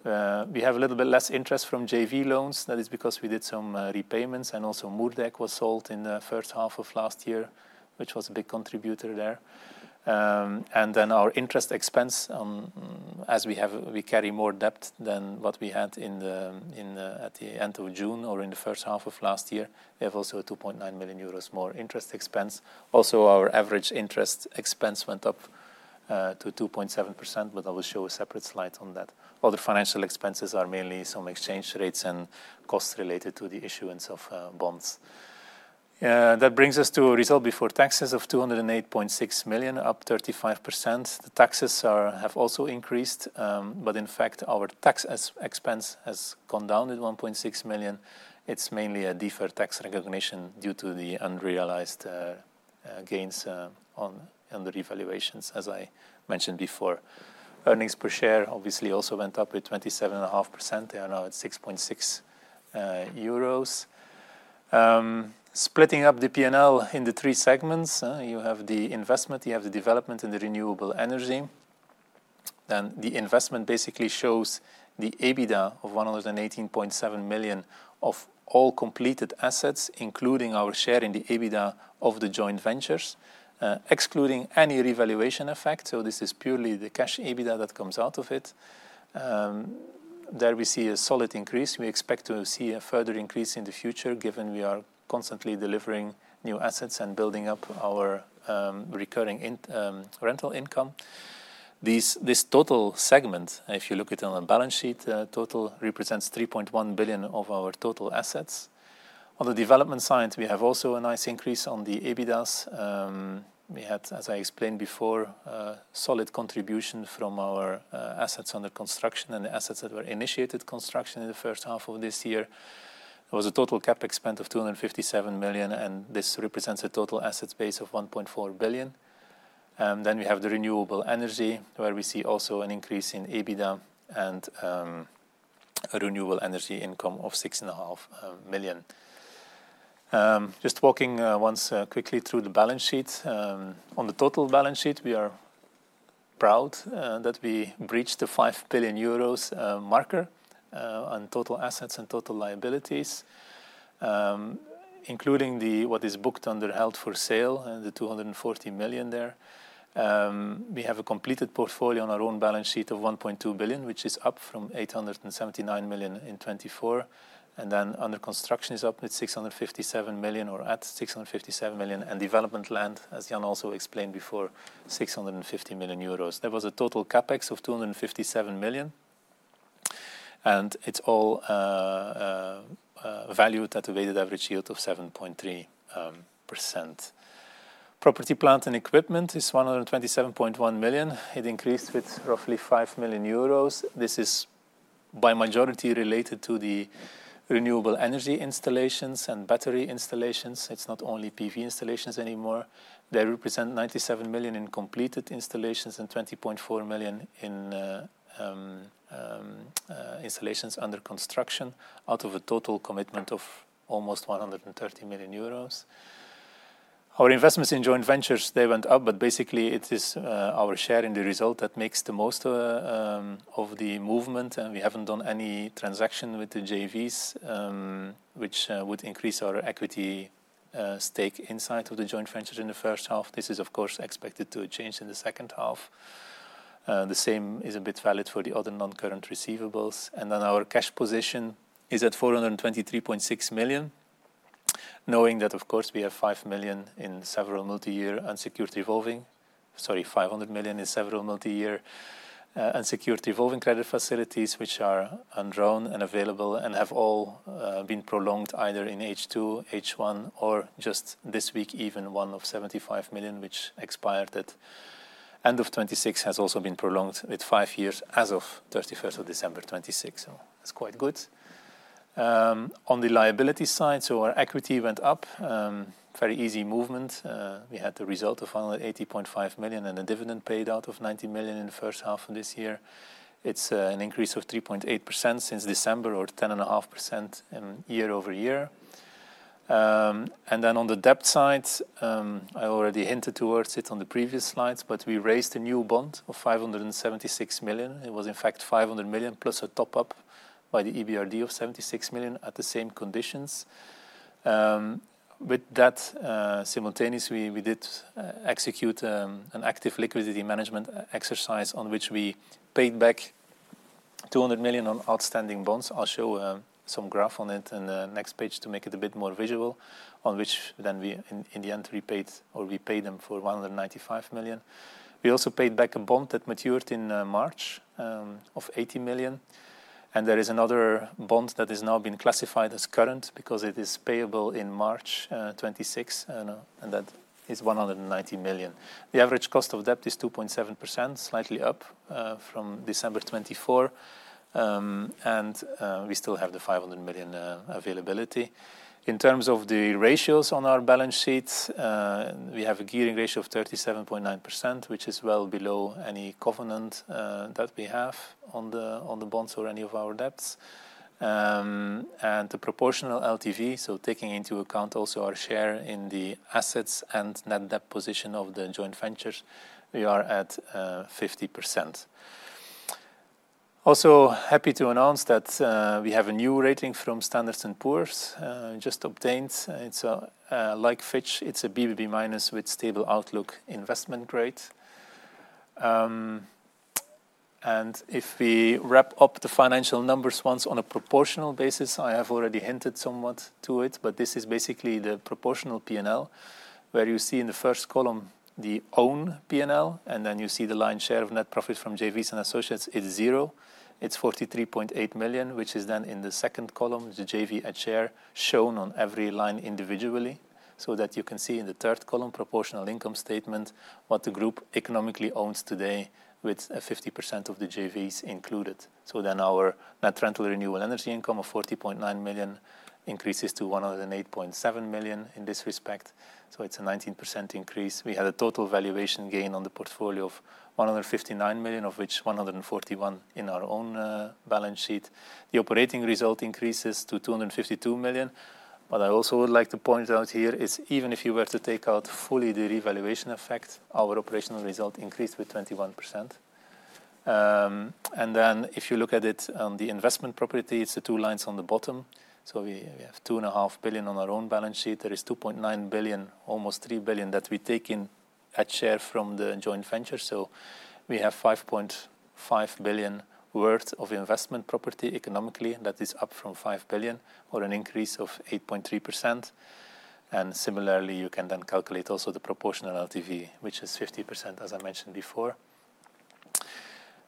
We have a little bit less interest from JV loans. That is because we did some repayments. Also, Mourdack was sold in the first half of the year last year, which was a big contributor there. Our interest expense, as we carry more debt than what we had at the end of June or in the first half of last year, has also increased by 2.9 million euros. Our average interest expense went up to 2.7%. I will show a separate slide on that. All the financial expenses are mainly some exchange rates and costs related to the bond issuance. That brings us to a result before taxes of 208.6 million, up 35%. The taxes have also increased, but in fact our tax expense has gone down by 1.6 million. It's mainly a deferred tax recognition due to the unrealized gains on the revaluations. As I mentioned before, earnings per share obviously also went up by 27.5%. They are now at 6%. Splitting up the P&L in the three segments, you have the investment, you have the development, and the renewable energy. The investment basically shows the EBITDA of 118.7 million of all completed assets, including our share in the EBITDA of the joint ventures, excluding any revaluation effect. This is purely the cash EBITDA that comes out of it. There we see a solid increase. We expect to see a further increase in the future given we are constantly delivering new assets and building up our recurring rental income. This total segment, if you look at it on the balance sheet, represents 3.1 billion of our total assets. On the development side, we have also a nice increase on the EBITDAs. We had, as I explained before, solid contribution from our assets under construction and assets that were initiated construction. In the first half of this year, there was a total CapEx spend of 257 million and this represents a total asset base of 1.4 billion. We have the renewable energy where we see also an increase in EBITDA and a renewable energy income of 6.5 million. Just walking once quickly through the balance sheet, on the total balance sheet we are proud that we breached the 5 billion euros marker on total assets and total liabilities, including what is booked under held for sale, the 240 million. There we have a completed portfolio on our own balance sheet of 1.2 billion, which is up from 879 million in 2024. Then under construction is up with 657 million, or at 657 million. Development land, as Jan also explained before, 650 million euros. There was a total CapEx of 257 million, and it's all valued at a weighted average yield of 7.3%. Property, plant and equipment is 127.1 million. It increased with roughly 5 million euros. This is by majority related to the renewable energy installations and battery installations. It's not only PV installations anymore. They represent 97 million in completed installations and 20.4 million in installations under construction out of a total commitment of almost 130 million euros. Our investments in joint ventures, they went up, but basically it is our share in the result that makes the most of the movement. We haven't done any transaction with the JVs which would increase our equity stake inside of the joint ventures in the first half. This is of course expected to change in the second half. The same is a bit valid for the other non-current receivables. Our cash position is at 423.6 million, knowing that of course we have 500 million in several multi-year unsecured revolving credit facilities which are undrawn and available and have all been prolonged either in H2, H1, or just this week. Even one of 75 million which expired at end of 2026 has also been prolonged with five years as of 31st of December 2026. That's quite good on the liability side. Our equity went up. Very easy movement. We had the result of 180.5 million and a dividend paid out of 19 million in the first half of this year. It's an increase of 3.8% since December or 10.5% year-over-year. On the debt side, I already hinted towards it on the previous slides, but we raised a new bond of 576 million. It was in fact 500 million plus a top up by the EBRD of 76 million at the same conditions. With that, simultaneously, we did execute an active liquidity management exercise on which we paid back 200 million on outstanding bonds. I'll show some graph on it in the next page to make it a bit more visual, on which then we in the end repaid or we paid them for 195 million. We also paid back a bond that matured in March of 80 million. There is another bond that has now been classified as current because it is payable in March 2026, and that is 190 million. The average cost of debt is 2.7%, slightly up from December 2024, and we still have the 500 million availability. In terms of the ratios on our balance sheet, we have a gearing ratio of 37.9%, which is well below any covenant that we have on the bonds or any of our debts and the proportional LTV. Taking into account also our share in the assets and net debt position of the joint ventures, we are at 50%. Also happy to announce that we have a new rating from S&P just obtained. Like Fitch, it's a BBB-/stable investment-grade rating. If we wrap up the financial numbers once on a proportional basis, I have already hinted somewhat to it, but this is basically the proportional P&L where you see in the first column, the own P&L. Then you see the line share of net profits from JVs and Associates is 0. It's 43.8 million, which is then in the second column, the JV at share shown on every line individually, so that you can see in the third column, proportional income statement, what the group economically owns today with 50% of the JVs included. Our net rental renewable energy income of 40.9 million increases to 108.7 million in this respect. It's a 19% increase. We had a total valuation gain on the portfolio of 159 million, of which 141 million in our own balance sheet. The operating result increases to 252 million. What I also would like to point out here is even if you were to take out fully the revaluation effect, our operational result increased with 21%. If you look at it on the investment property, it's the two lines on the bottom. We have 2.5 billion on our own balance sheet. There is 2.9 billion, almost 3 billion, that we take in at share from the joint venture. We have 5.5 billion worth of investment property, economically that is up from 5 billion, or an increase of 8.3%. Similarly, you can then calculate also the proportional LTV, which is 50%, as a fact of matter mentioned before.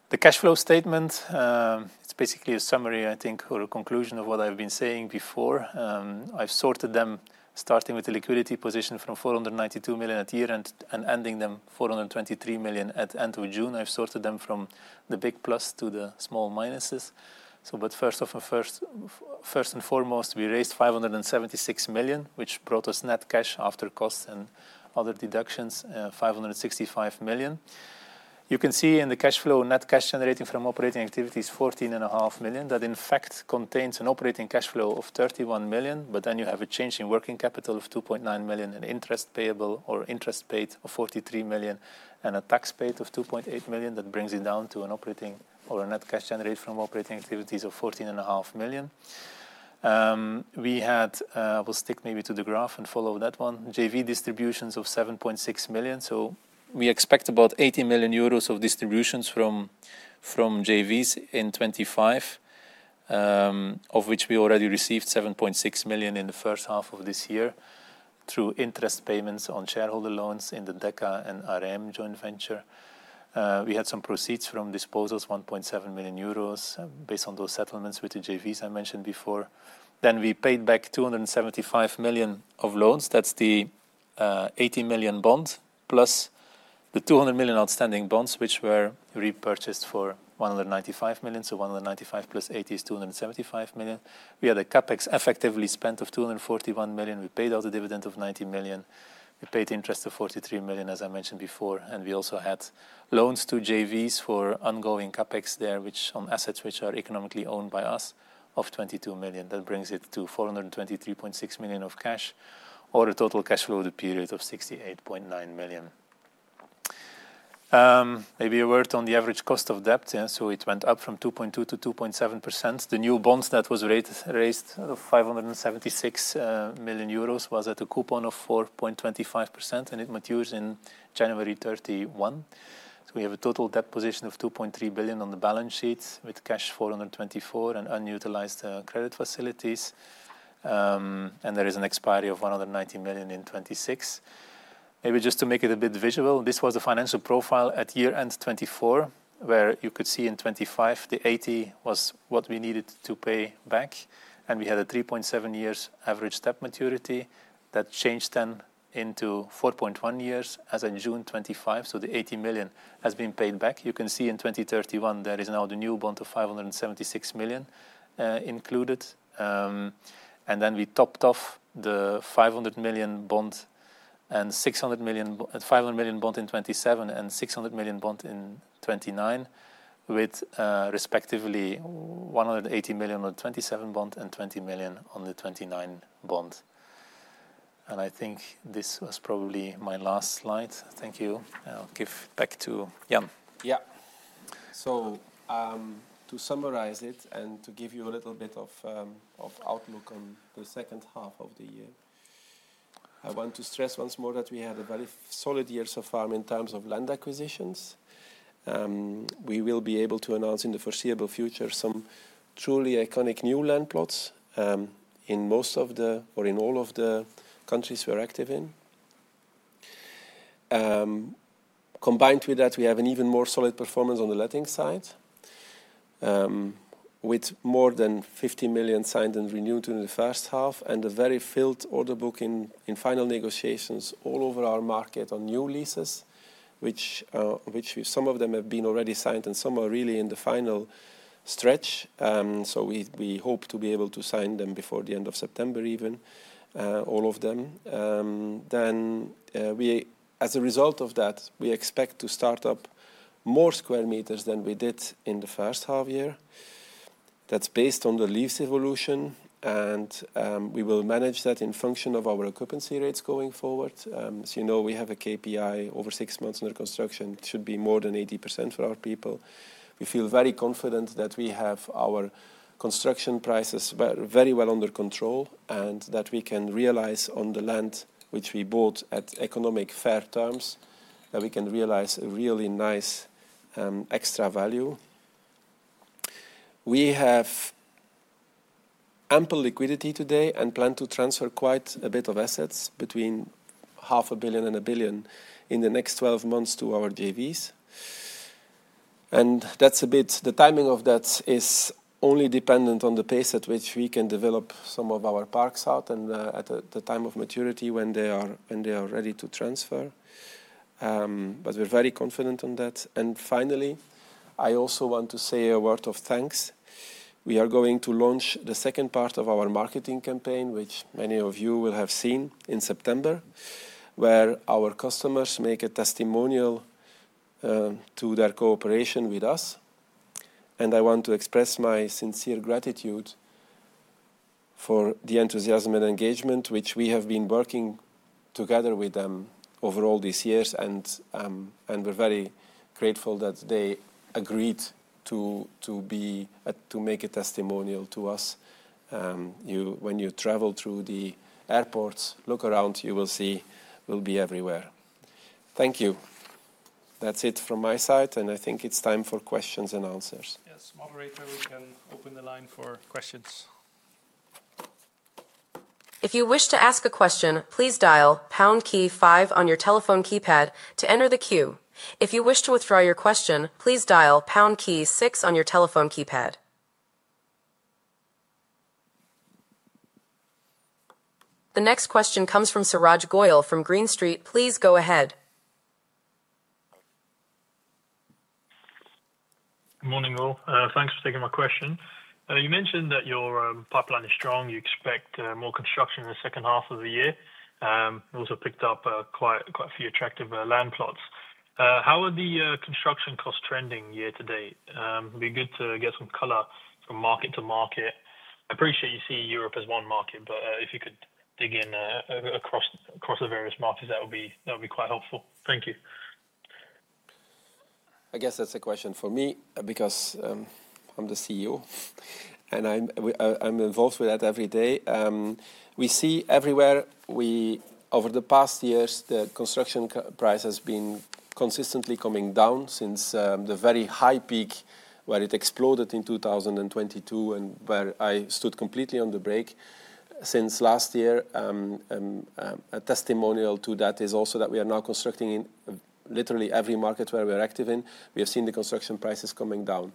The cash flow statement is basically a summary, I think, or a conclusion of what I've been saying before. I've sorted them, starting with the liquidity position from 492 million at year end and ending them 423 million at end of June. I've sorted them from the big plus to the small minuses. First of all, first and foremost, we raised 576 million, which brought us net cash after costs and other deductions, 565 million. You can see in the cash flow net cash generating from operating activities 14.5 million. That in fact contains an operating cash flow of 31 million, but then you have a change in working capital of 2.9 million and interest payable or interest paid of 43 million and a tax paid of 2.8 million. That brings it down to a net cash generated from operating activities of 14.5 million. I will stick maybe to the graph and follow that. JV distributions of 7.6 million. We expect about 80 million euros of distributions from joint ventures in 2025, of which we already received 7.6 million in the first half of this year through interest payments on shareholder loans in the Deka and ARIM joint venture. We had some proceeds from disposals, 1.7 million euros based on those settlements with the joint ventures I mentioned before. We paid back 275 million of loans. That's the 80 million bond plus the 200 million outstanding bonds which were repurchased for 195 million. So 195 million plus 80 million is 275 million. We had a CapEx effectively spent of 241 million. We paid out a dividend of 90 million. We paid interest of 43 million as I mentioned before. We also had loans to joint ventures for ongoing CapEx there on assets which are economically owned by us of 22 million. That brings it to 423.6 million of cash or a total cash flow. The period of 68.9 million. Maybe a word on the average cost of debt. It went up from 2.2% to 2.7%. The new bonds that were raised, 576 million euros, was at a coupon of 4.25% and it matures on January 31. We have a total debt position of 2.3 billion on the balance sheet with cash 424 million and unutilized credit facilities. There is an expiry of 190 million in 2026. Maybe just to make it a bit visual, this was a financial profile at year end 2024 where you could see in 2025 the 80 million was what we needed to pay back. We had a 3.7 years average debt maturity that changed then into 4.1 years as in June 25th. The 80 million has been paid back. You can see in 2031 there is now the new bond of 576 million included. We topped off the 500 million bond in 2027 and 600 million bond in 2029 with respectively 180 million on the 2027 bond and 20 million on the 2029 bond. I think this was probably my last slide. Thank you. I'll give back to. Yeah, yeah. To summarize it and to give you a little bit of outlook on the second half of the year, I want to stress once more that we had a very solid year so far in terms of land acquisitions. We will be able to announce in the foreseeable future some truly iconic new land plots in most of the or in all of the countries we're active in. Combined with that, we have an even more solid performance on the letting side with more than 50 million signed and renewed in the first half and a very filled order book in final negotiations all over our market on new leases, which some of them have been already signed and some are really in the final stretch. We hope to be able to sign them before the end of September, even all of them. As a result of that, we expect to start up more square meters than we did in the first half year. That's based on the lease evolution and we will manage that in function of our occupancy rates going forward. We have a KPI over six months under construction should be more than 80% for our people. We feel very confident that we have our construction prices very well under control and that we can realize on the land which we bought at economic fair terms that we can realize a really nice extra value. We have ample liquidity today and plan to transfer quite a bit of assets between 500 million and 1 billion in the next 12 months to our joint ventures. The timing of that is only dependent on the pace at which we can develop some of our parks out and at the time of maturity when they are ready to transfer. We're very confident on that. Finally, I also want to say a word of thanks. We are going to launch the second part of our marketing campaign which many of you will have seen in September, where our customers make a testimonial to their cooperation with us. I want to express my sincere gratitude for the enthusiasm and engagement which we have been working together with them over all these years. We're very grateful that they agreed to make a testimonial to us. When you travel through the airports, look around, you will see we'll be everywhere. Thank you. That's it from my side and I think it's time for questions and answers. Yes, Moderator, we can open the line for questions. If you wish to ask a question, please dial pound key five on your telephone keypad to enter the queue. If you wish to withdraw your question, please dial pound key six on your telephone keypad. The next question comes from Suraj Goyal from Green Street. Please go ahead. Morning all. Thanks for taking my question. You mentioned that your pipeline is strong. You expect more construction in the second half of the year. Also picked up quite a few attractive land plots. How are the construction costs trending year to date? Be good to get some color from market to market. I'm pretty sure you see Europe as one market, but if you could dig in across the various markets, that would be quite helpful, thank you. I guess that's a question for me because I'm the CEO and I'm involved with that every day. We see everywhere over the past years, the construction price has been consistently coming down since the very high peak where it exploded in 2022 and where I stood completely on the brake since last year. A testimonial to that is also that we are now constructing in literally every market where we are active in. We have seen the construction prices coming down.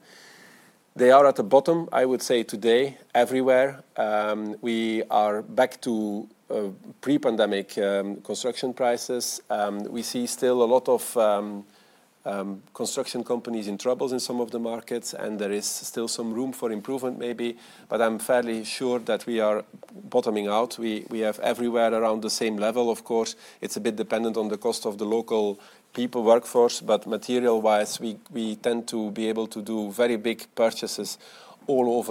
They are at the bottom. I would say today everywhere we are back to pre-pandemic construction prices, we see still a lot of construction companies in troubles in some of the markets and there is still some room for improvement maybe, but I'm fairly sure that we are bottoming out. We have everywhere around the same level. Of course, it's a bit dependent on the cost of the local people workforce, but material wise, we tend to be able to do very big purchases all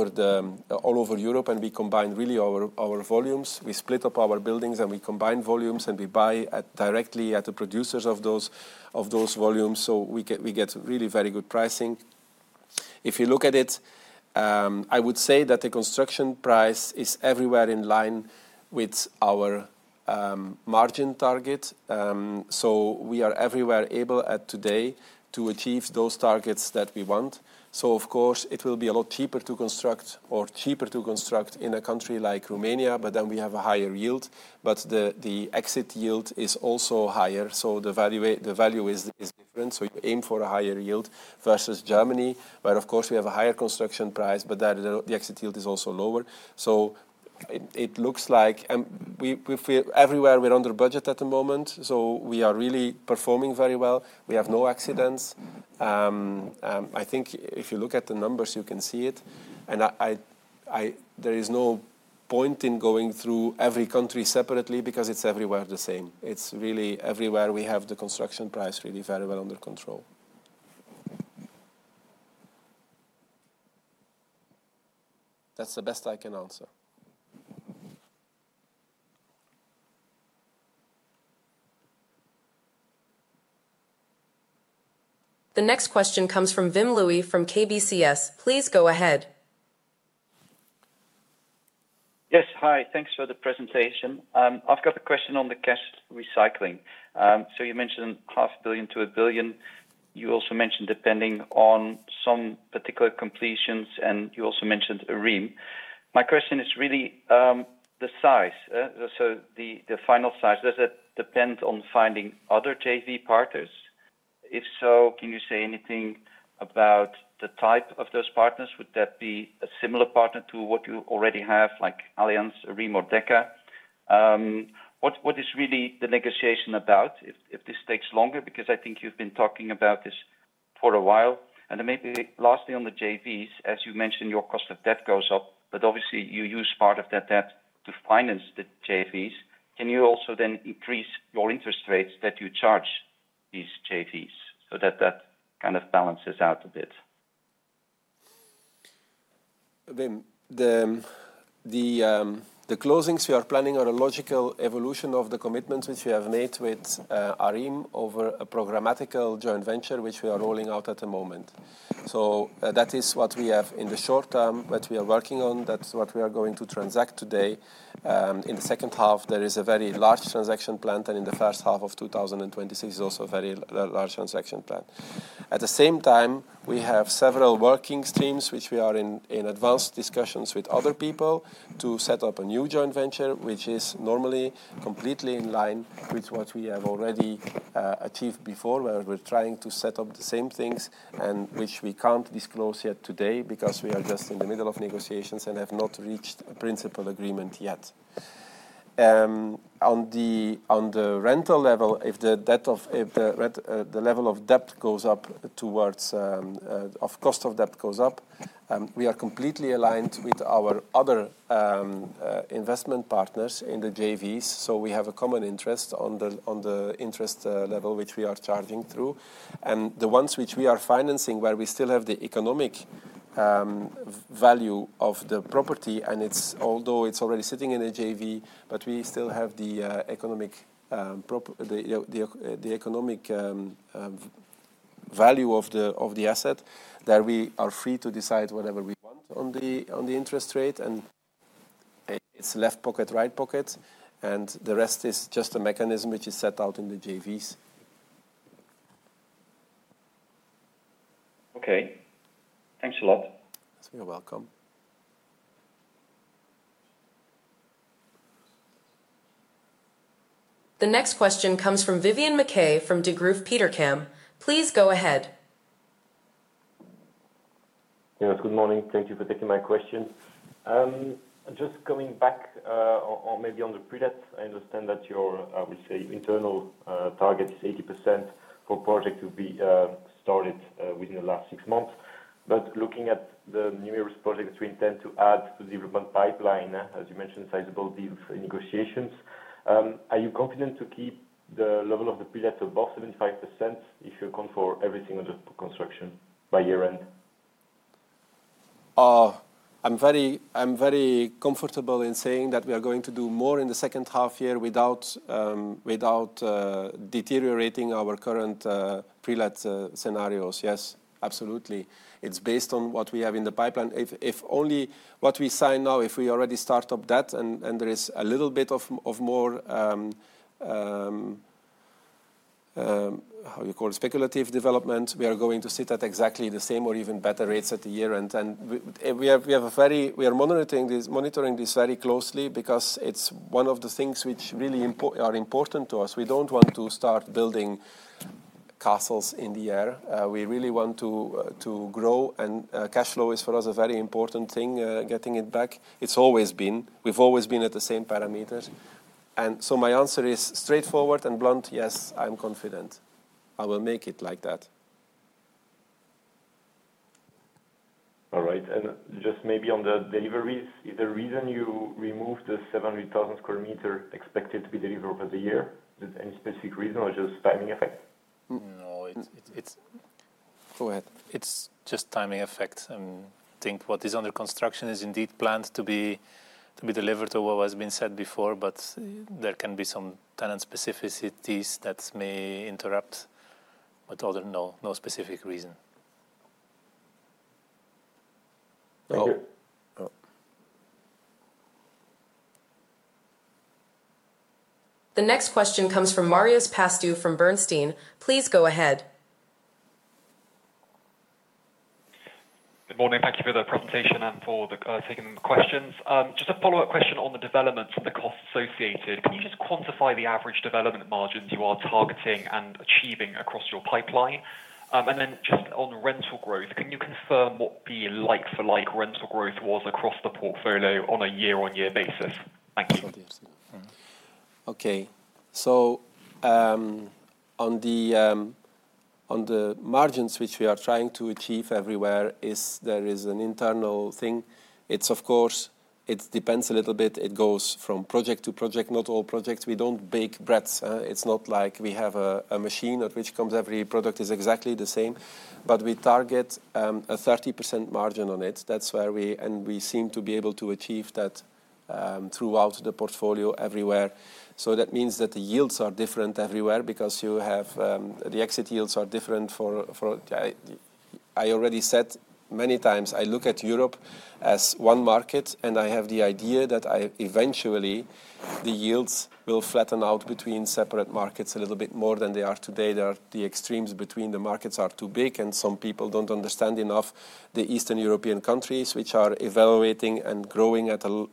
over Europe. We combine really our volumes. We split up our buildings and we combine volumes and we buy directly at the producers of those volumes. We get really very good pricing. If you look at it, I would say that the construction price is everywhere in line with our margin target. We are everywhere able at today to achieve those targets that we want. It will be a lot cheaper to construct or cheaper to construct in a country like Romania. Then we have a higher yield, but the exit yield is also higher, so the value is different. You aim for a higher yield versus Germany, where we have a higher construction price, but the exit yield is also lower. It looks like everywhere we're under budget at the moment. We are really performing very well. We have no accidents. I think if you look at the numbers, you can see it. There is no point in going through every country separately because it's everywhere the same. It's really everywhere. We have the construction price really very well under control. That's the best I can answer. The next question comes from Wim Lewi from KBCS. Please go ahead. Yes. Hi. Thanks for the presentation. I've got the question on the cash recycling. You mentioned half billion to a billion. You also mentioned depending on some particular completions. You also mentioned ARIM. My question is really the size. The final size, does that depend on finding other JV partners? If so, can you say anything about the type of those partners? Would that be a similar partner to what you already have, like Allianz, ARIM or Deka? What is really the negotiation about if this takes longer because I think you've been talking about this for a while. Maybe lastly on the JVs, as you mentioned, your cost of debt goes up, but obviously you use part of that debt to finance the JVs. Can you also then increase your interest rates that you charge these JVs so that that kind of balances out a bit. The closings we are planning are a logical evolution of the commitments which we have made with ARIM over programmatical joint venture which we are rolling out at the moment. That is what we have in the short-term that we are working on. That's what we are going to transact today. In the second half there is a very large transaction plan and in the first half of 2026 is also a very large transaction plan. At the same time we have several working streams which we are in advanced discussions with other people to set up a new joint venture which is normally completely, completely in line with what we have already achieved before where we're trying to set up the same things and which we can't disclose yet today because we are just in the middle of negotiations and have not reached a principal agreement yet. On the rental level, if the level of debt goes up towards cost of debt goes up, we are completely aligned with our other investment partners in the JVs. We have a common interest on the interest level which we are charging through and the ones which we are financing where we still have the economic value of the property and it's although it's already sitting in a JV but we still have the economic prop. The economic value of the asset that we are free to decide whatever we want on the interest rate and it's left pocket, right pocket and the rest is just a mechanism which is set out the JVs. Okay, thanks a lot. You're welcome. The next question comes from [Vivian McKay] from Degroof Petercam. Please go ahead. Yes, good morning. Thank you for taking my question. Just coming back or maybe on the pretext I understand that your receiving internal target is 80% for project to be started within the last six months. Looking at the numerous projects we intend to add to the development pipeline, as you mentioned sizable deal negotiations, are you confident to keep the level of the project above 75% if you account for everything under construction by year end. I'm very comfortable in saying that we are going to do more in the second half year without deteriorating our current pre-let scenarios. Yes, absolutely. It's based on what we have in the pipeline. If only what we sign now, if we already start up that and there is a little bit of more, how you call, speculative development, we are going to sit at exactly the same or even better rates at the year end. We are monitoring this very closely because it's one of the things which really are important to us. We don't want to start building castles in the air. We really want to grow and cash flow is for us a very important thing. Getting it back, it's always been. We've always been at the same parameters. My answer is straightforward and blunt. Yes, I'm confident I will make it like that. All right. Just maybe on the deliveries, is the reason you removed the 700,000 square meters expected to be delivered over the year? Is it any specific reason or just timing effect? No, it's. Go ahead. It's just timing effect. I think what is under construction is indeed planned to be delivered to what has been said before. There can be some tenant specificities that may interrupt, but other than that, no specific reason. The next question comes from Marios Pastou from Bernstein. Please go ahead. Good morning. Thank you for the presentation and for taking the questions. Just a follow up question on the developments and the costs associated. Can you just quantify the average development margins you are targeting and achieving across your pipeline, and then just on rental growth, can you confirm what the like-for-like rental growth was across the portfolio on a year-on-year basis? Thank you. Okay, so on the margins which we are trying to achieve everywhere, there is an internal thing. Of course, it depends a little bit. It goes from project to project. Not all projects. We don't bake breads. It's not like we have a machine at which comes every product is exactly the same, but we target a 30% margin on it. That's where we, and we seem to be able to achieve that throughout the portfolio everywhere. That means that the yields are different everywhere because you have the exit yields are different for. I already said many times I look at Europe as one market and I have the idea that eventually the yields will flatten out between separate markets a little bit more than they are today. The extremes between the markets are too big and some people don't understand enough the Eastern European countries which are evaluating and growing at a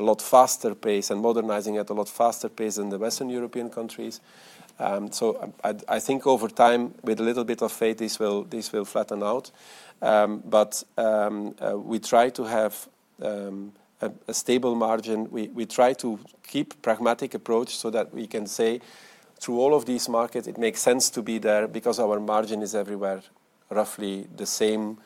lot faster pace and modernizing at a lot faster pace than the Western European countries. I think over time with a little bit of faith this will flatten out. We try to have a stable margin. We try to keep a pragmatic approach so that we can say through all of these markets it makes sense to be there because our margin is everywhere roughly the same.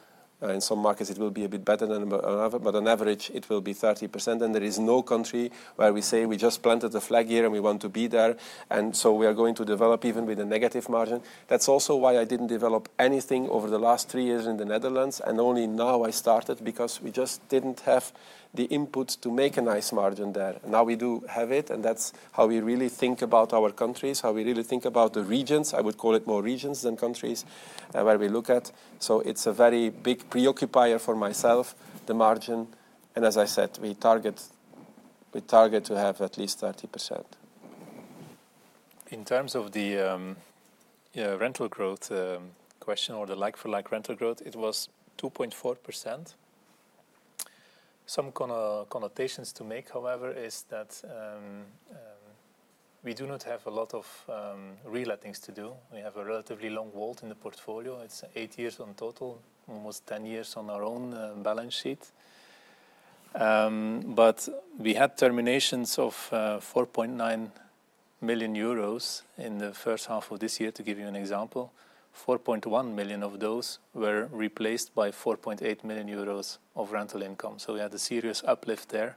In some markets it will be a bit better, but on average it will be 30%. There is no country where we say we just planted the flag here and we want to be there, and so we are going to develop even with a negative margin. That's also why I didn't develop anything over the last three years in the Netherlands and only now I started because we just didn't have the input to make a nice margin there. Now we do have it and that's how we really think about our countries, how we really think about the regions. I would call it more regions than countries where we look at. It's a very big preoccupier for myself, the margin. As I said, we target to have at least 30%. In terms of the rental growth question or the like-for-like rental growth, it was 2.4%. Some kind of connotations to make, however, is that we do not have a lot of real lettings to do. We have a relatively long vault in the portfolio. It's 80 years on total, almost 10 years on our own balance sheet. We had terminations of 4.9 million euros in the first half of this year. To give you an example, 4.1 million of those were replaced by 4.8 million euros of rental income. We had a serious uplift there.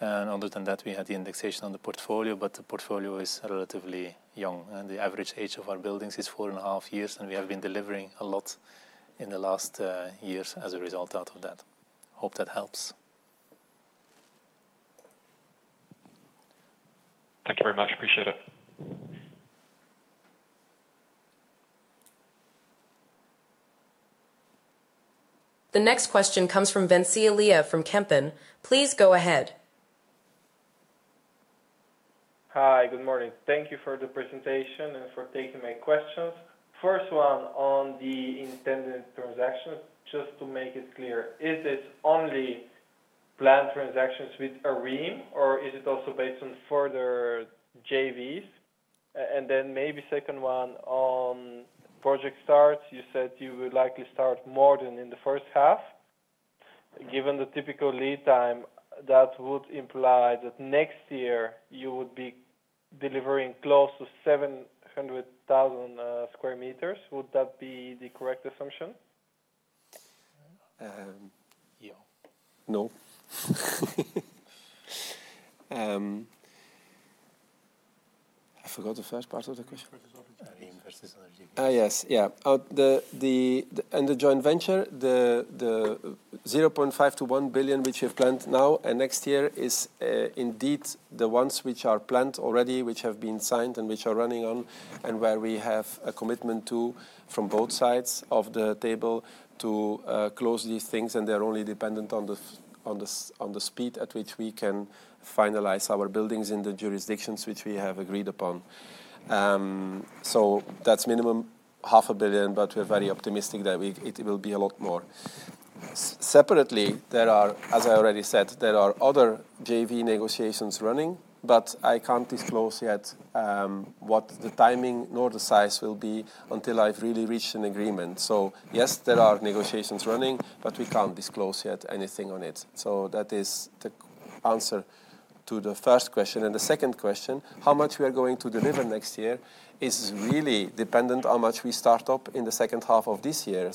Other than that, we had the indexation on the portfolio. The portfolio is relatively young and the average age of our buildings is four and a half years. We have been delivering a lot in the last years as a result. Out of that. Hope that helps. Thank you very much. Appreciate it. The next question comes from Ventsi Iliev from Kempen. Please go ahead. Hi, good morning. Thank you for the presentation and for taking my questions. First one, on the intended transactions. Just to make it clear, is it only planned transactions with ARIM or is it also based on further joint ventures? Maybe second one on project starts. You said you would likely start more than in the first half. Given the typical lead time, that would imply that next year you would be delivering close to 700,000 square meters. Would that be the correct assumption? Yeah, no, I forgot the first part of the question. Yes. The joint venture, the 0.5 million-1 billion which we've planned now and next year is indeed the ones which are planned already, which have been signed and which are running on and where we have a commitment to, from both sides of the table to close these things. They're only dependent on the speed at which we can finalize our buildings in the jurisdictions which we have agreed upon. That's minimum half a billion. We're very optimistic that it will be a lot more. Separately, as I already said, there are other JV negotiations running, but I can't disclose yet what the timing nor the size will be until I've really reached an agreement. Yes, there are negotiations running, but we can't disclose yet anything on it. That is the answer to the first question and the second question, how much we are going to deliver next year is really dependent how much we start up in the second half of this year.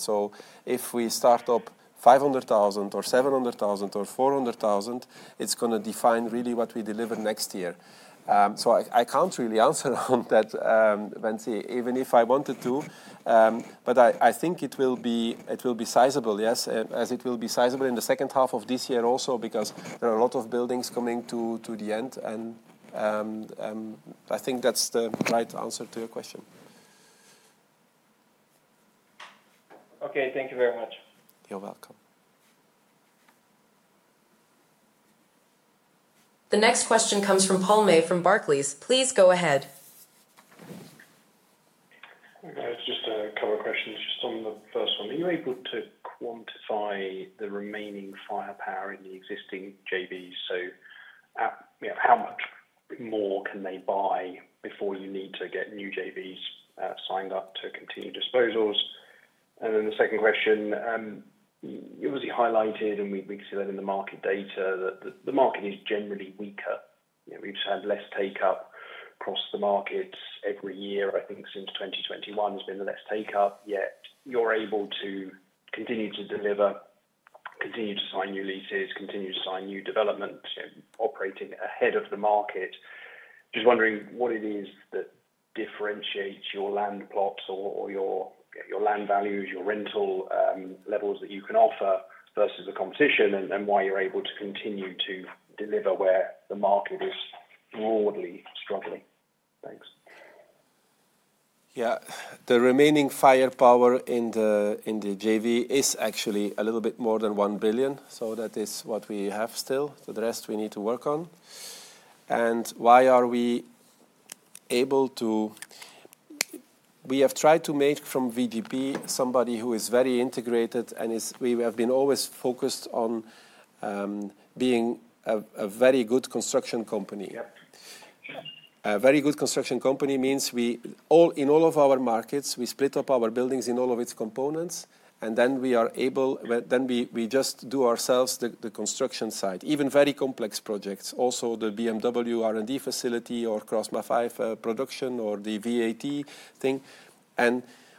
If we start up 500,000 or 700,000 or 400,000, it's going to define really what we deliver next year. I can't really answer on that, Bensi, even if I wanted to. I think it will be sizable, as it will be sizable in the second half of this year also because there are a lot of buildings coming to the end and I think that's the right answer to your question. Okay, thank you very much. You're welcome. The next question comes from Paul May from Barclays. Please go ahead. Just a couple of questions. On the first one, are you able to quantify the remaining firepower in the existing JV? How much more can they buy before you need to get new JVs signed up to continue disposals? The second question, obviously highlighted, and we see that in the market data, that the market is generally weaker. We've had less take-up across the markets every year. I think since 2021 has been the less take-up. Yet you're able to continue to deliver, continue to sign new leases, continue to sign new development operating ahead of the market. Just wondering what it is that differentiates your land plots or your land values, your rental levels that you can offer versus the competition and why you're able to continue to deliver where the market is broadly. Thanks. Yeah, the remaining firepower in the JV is actually a little bit more than 1 billion. That is what we have still. The rest we need to work on and why are we able to. We have tried to make from VGP somebody who is very integrated and we have been always focused on being a very good construction company. A very good construction company means we all, in all of our markets, we split up our buildings in all of its components and then we are able, then we just do ourselves the construction side, even very complex projects. Also the BMW R&D facility or Crossbar 5 production or the VAT thing.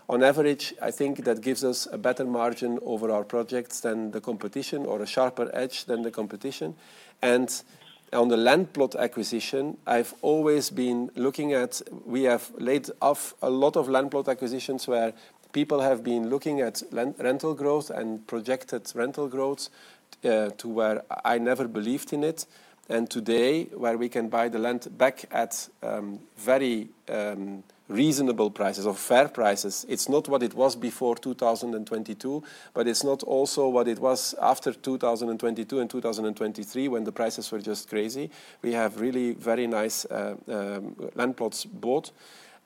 On average, I think that gives us a better margin over our projects than the competition or a sharper edge than the competition. On the land plot acquisition I've always been looking at, we have laid off a lot of land plot acquisitions where people have been looking at rental growth and projected rental to where I never believed in it and today where we can buy the land back at very reasonable prices or fair prices. It's not what it was before 2022, but it's not also what it was after 2022 and 2023 when the prices were just crazy. We have really very nice land plots bought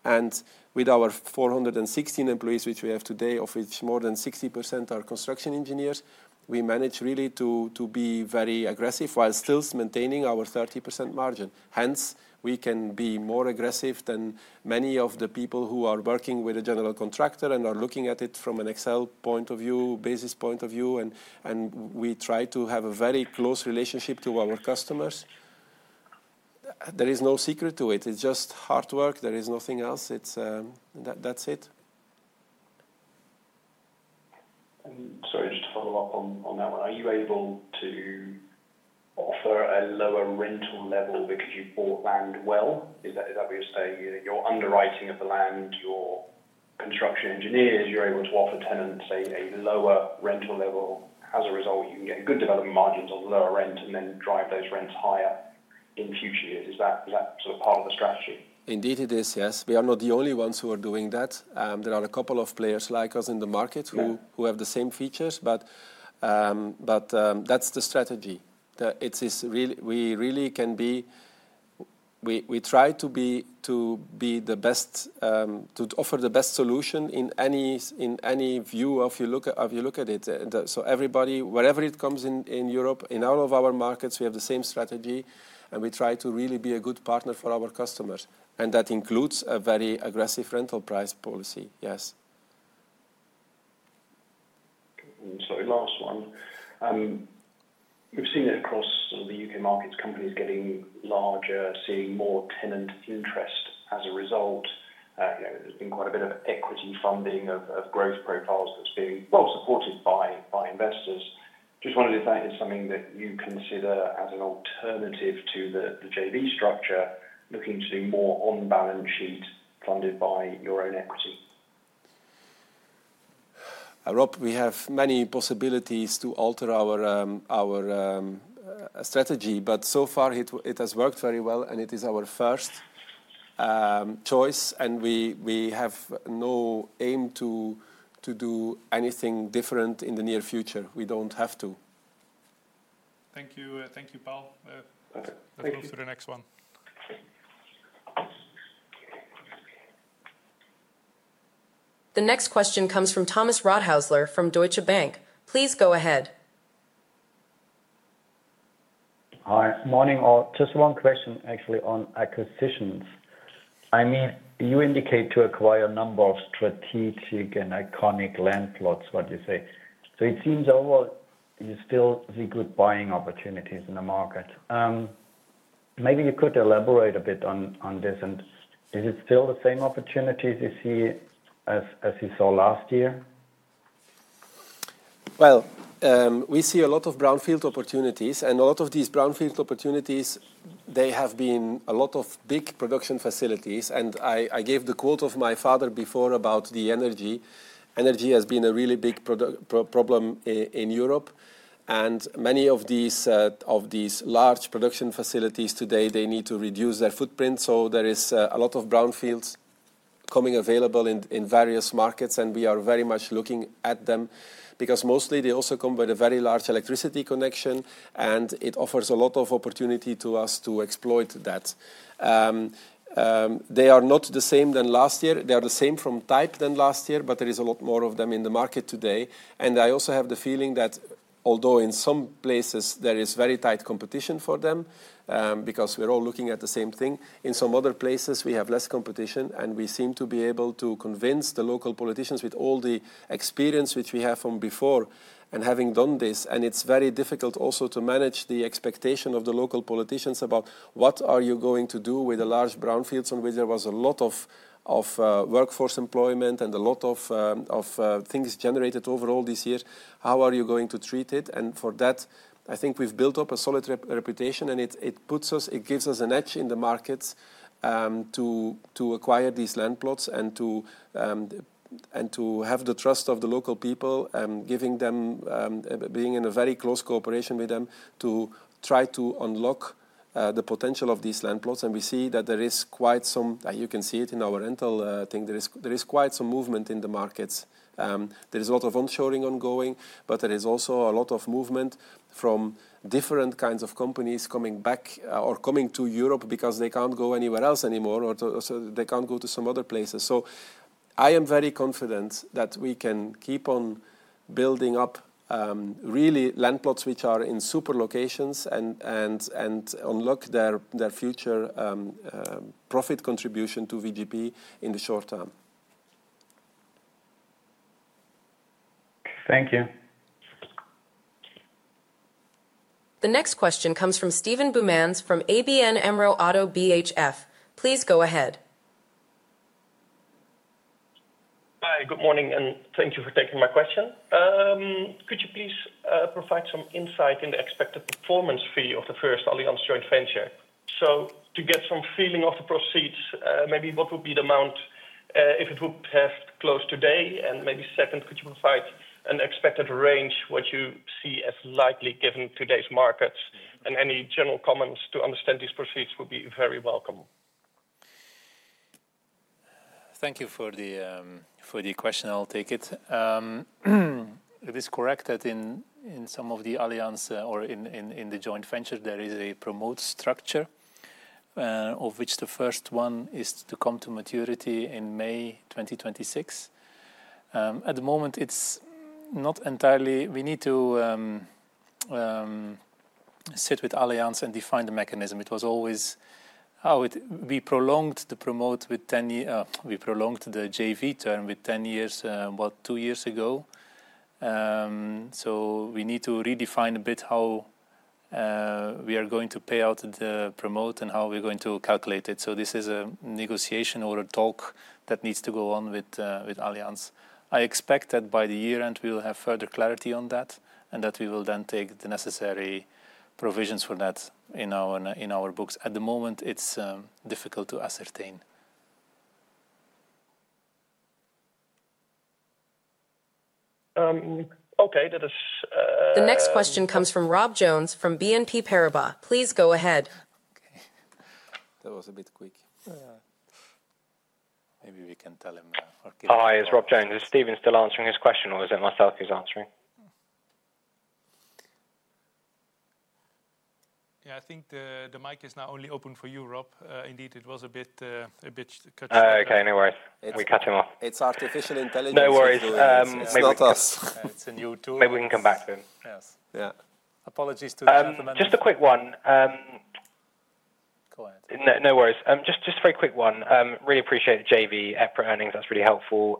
and with our 416 employees, which we have today, of which more than 60% are consistent construction engineers, we manage really to be very aggressive while still maintaining our 30% margin. Hence we can be more aggressive than many of the people who are working with a general contractor and are looking at it from an Excel point of view, basis point of view. We try to have a very close relationship to our customers. There is no secret to it. It's just hard work. There is nothing else and that's it. Just to follow up on that one, are you able to offer a lower rental level because you've bought land? Is that, we say, your underwriting of the land, your construction engineers, you're able to offer tenants a lower rental level? As a result, you can get good development margins on lower rent and then drive those rents higher in future years. Is that sort of part of the strategy? Indeed it is, yes. We are not the only ones who are doing that. There are a couple of players like us in the market who have the same features. That's the strategy we really can be. We try to be the best to offer the best solution in any view, if you look at it. Everybody, wherever it comes in Europe, in all of our markets, we have the same strategy and we try to really be a good partner for our customers. That includes a very aggressive rental price policy. Yes. The last one, we've seen, of course, the U.K. markets, companies getting larger, seeing more tenant interest as a result, quite a bit of equity funding of growth profiles that's very well supported by investors. I just wondered if that is something that you consider as an alternative to the JV structure, looking to the more on balance sheet funded by your own equity. Rob, we have many possibilities to alter our strategy, but so far it has worked very well and it is our first choice, and we have no aim to do anything different in the near future. We don't have to. Thank you. Thank you, Paul. Let's move to the next one. The next question comes from Thomas Rothaeusler from Deutsche Bank. Please go ahead. Hi. Morning all. Just one question actually. On acquisition, I mean you indicate to acquire a number of strategic and iconic land plots. What you say? It seems overall you still see good buying opportunities in the market. Maybe you could elaborate a bit on this. Is it still the same opportunities you see as you saw last year? We see a lot of brownfield opportunities and a lot of these brownfield opportunities. They have been a lot of big production facilities and I gave the quote of my father before about the energy. Energy has been a really big problem in Europe and many of these, of these large production facilities today they need to reduce their footprint. There is a lot of brownfields coming available in various markets and we are very much looking at them because mostly they also come with a very large electricity connection and it offers a lot of opportunity to us to exploit that. They are not the same as last year, they are the same from type as last year but there is a lot more of them in the market today. I also have the feeling that although in some places there is very tight competition for them because we're all looking at the same thing, in some other places we have less competition and we seem to be able to convince the local politicians with all the experience which we have from before and having done this. It's very difficult also to manage the expectation of the local politicians about what are you going to do with a large brownfields or where there was a lot of workforce employment and a lot of things generated overall this year. How are you going to treat it? For that I think we've built up a solid reputation and it gives us an edge in the markets to acquire these land plots and to have the trust of the local people being in a very close cooperation with them to try to unlock the potential of these land plots. We see that there is quite some, you can see it in our rental thing. There is quite some movement in the markets. There is a lot of onshoring ongoing but there is also a lot of movement from different kinds of companies coming back or coming to Europe because they can't go anywhere else anymore or they can't go to some other places. I am very confident that we can keep on building up really land plots which are in super locations and unlock their future profit contribution to VGP in the short-term. Thank you. The next question comes from Steven Boumans from ABN AMRO-ODDO BHF. Please go ahead. Hi, good morning and thank you for taking my question. Could you please provide some information on the expected performance fee of the first Allianz joint venture? To get some feeling of the proceeds, maybe what would be the amount if it would have closed today, and maybe second, could you provide an expected range of what you see as likely given today's markets? Any general comments to understand these proceeds would be very welcome. Thank you for the question. I'll take it. It is correct that in some of the Allianz or in the joint venture there is a promote structure of which the first one is to come to maturity in May 2026. At the moment it's not entirely, we need to sit with Allianz and define the mechanism. It was always, oh, we prolonged the promote with 10, we prolonged the JV term with 10 years, what, two years ago. We need to redefine a bit how we are going to pay out the promote and how we're going to calculate it. This is a negotiation or a talk that needs to go on with Allianz. I expect that by the year end we will have further clarity on that and that we will then take the necessary provisions for that in our books. At the moment it's difficult to ascertain. Okay, The next question comes from Rob Jones from BNP Paribas. Please go ahead. That was a bit quick. Maybe we can tell him. Hi, it's Rob Jones. Is Steven still answering his question or is it myself who's answering? Yeah, I think the mic is now only open for you, Rob. Indeed, it was a bit cut. Okay, no worries, we catch him off. It's artificial intelligence. No worries. It's a new tool. Maybe we can come back soon. Yes. Yeah, apologies to the. Just a quick one. No worries, just very quick one. Really appreciate the JV EPRA earnings, that's really helpful.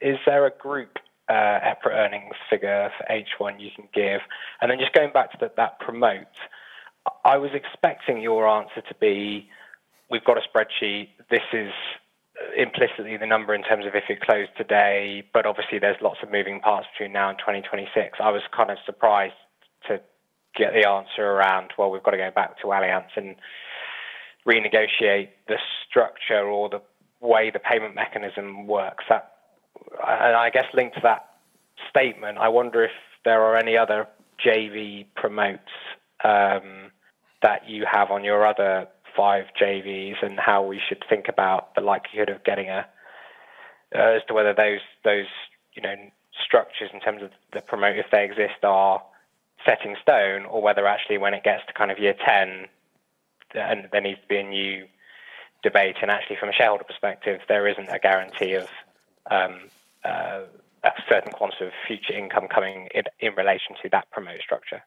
Is there a group EPRA earnings figure for H1 you can give, and then just going back to that promote, I was expecting your answer to be we've got a spreadsheet. This is implicitly the number in terms of if it closed today, but obviously there's lots of moving parts between now and 2026. I was kind of surprised to get the answer around we've got to go back to Allianz and renegotiate the structure or the way the payment mechanism works. I guess linked to that statement, I wonder if there are any other JV promotes that you have on your other five JVs and how we should think about the likelihood of getting a as to whether those structures in terms of the promote, if they exist, are set in stone or whether actually when it gets to kind of year 10, there needs to be a new debate. Actually, from a shareholder perspective, there isn't a guarantee of a certain quantity of future income coming in relation to that promote structure.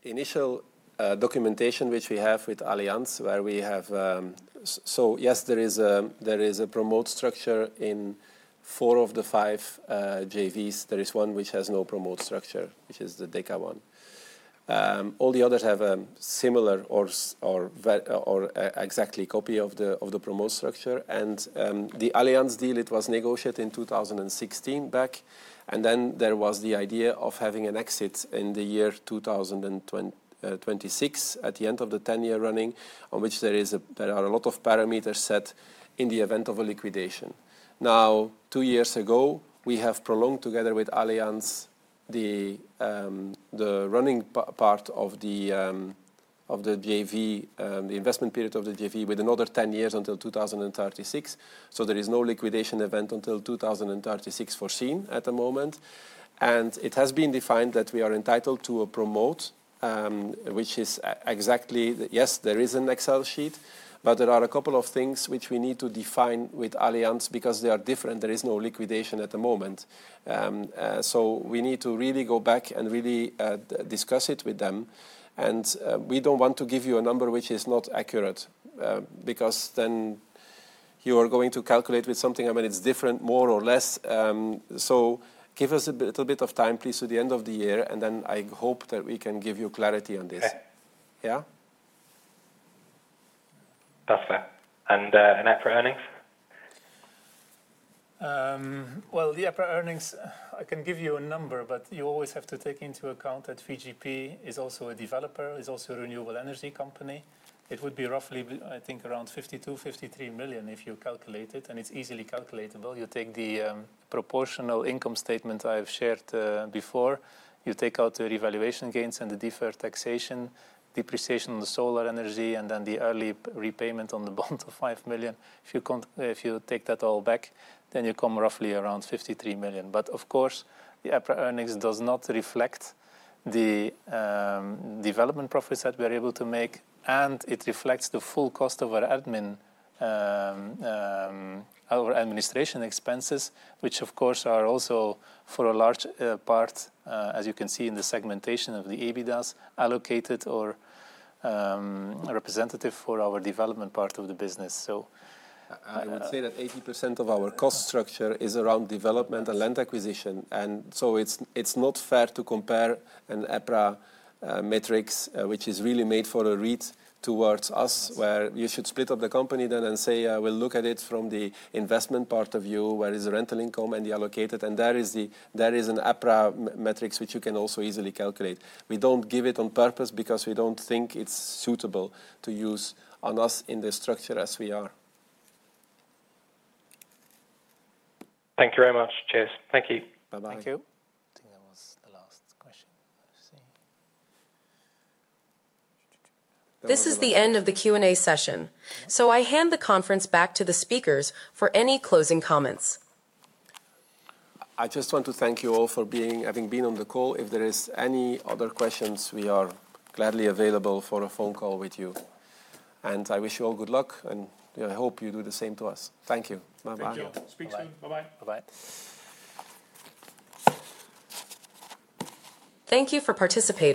Rob, the initial documentation which we have with Allianz where we have. Yes, there is a promote structure in four of the five JVs. There is one which has no promote structure, which is the Deka one. All the others have a similar or exactly copy of the promote structure and the Allianz deal. It was negotiated in 2016 back and then there was the idea of having an exit in the year 2026 at the end of the 10-year running on which there are a lot of parameters set in the event of a liquidation. Two years ago, we have prolonged together with Allianz the running part of the JV, the investment period of the JV, with another 10 years until 2036. There is no liquidation event until 2036 for C at the moment, and it has been defined that we are entitled to a promote, which is exactly. Yes, there is an Excel sheet, but there are a couple of things which we need to define with Allianz because they are different. There is no liquidation at the moment, so we need to really go back and really discuss it with them. We don't want to give you a number which is not accurate because then you are going to calculate with something. I mean, it's different, more or less. Give us a little bit of time, please, to the end of the year and then I hope that we can give you clarity on this. Yeah. EPRA earnings. The EPRA earnings I can give you a number, but you always have to take into account that VGP is also a developer, is also a renewable energy company. It would be roughly, I think around 52 million, 53 million. If you calculate it and it's easily calculatable, you take the proportional income statement I have shared before. You take out the revaluation gains and the deferred taxation depreciation on the solar energy and then the early repayment on the bond of 5 million. If you take that all back, then you come roughly around 53 million. Of course, the EPRA earnings does not reflect the development profits that we are able to make and it reflects the full cost of our admin, our administration expenses, which of course are also for a large part, as you can see in the segmentation of the EBITDAs, allocated or representative for our development part of the business. I would say that 80% of our cost structure is around development and land acquisition, and it's not fair to compare an EPRA metrics, which is really made for a REIT, towards us where you should split up the company then and say we'll look at it from the investment part of view, where is the rental income and the allocated, and that is the. There is an EPRA metrics which you can also easily calculate. We don't give it on purpose because we don't think it's suitable to use on us in this structure as we are. Thank you very much. Cheers. Thank you. Bye bye. Thank you. I think that was the last question. This is the end of the Q and A session. I hand the conference back to the speakers for any closing comments. I just want to thank you all for having been on the call. If there are any other questions, we are gladly available for a phone call with you. I wish you all good luck and I hope you do the same to us. Thank you. Bye bye. Speak so soon. Bye bye. Bye bye. Thank you for participating.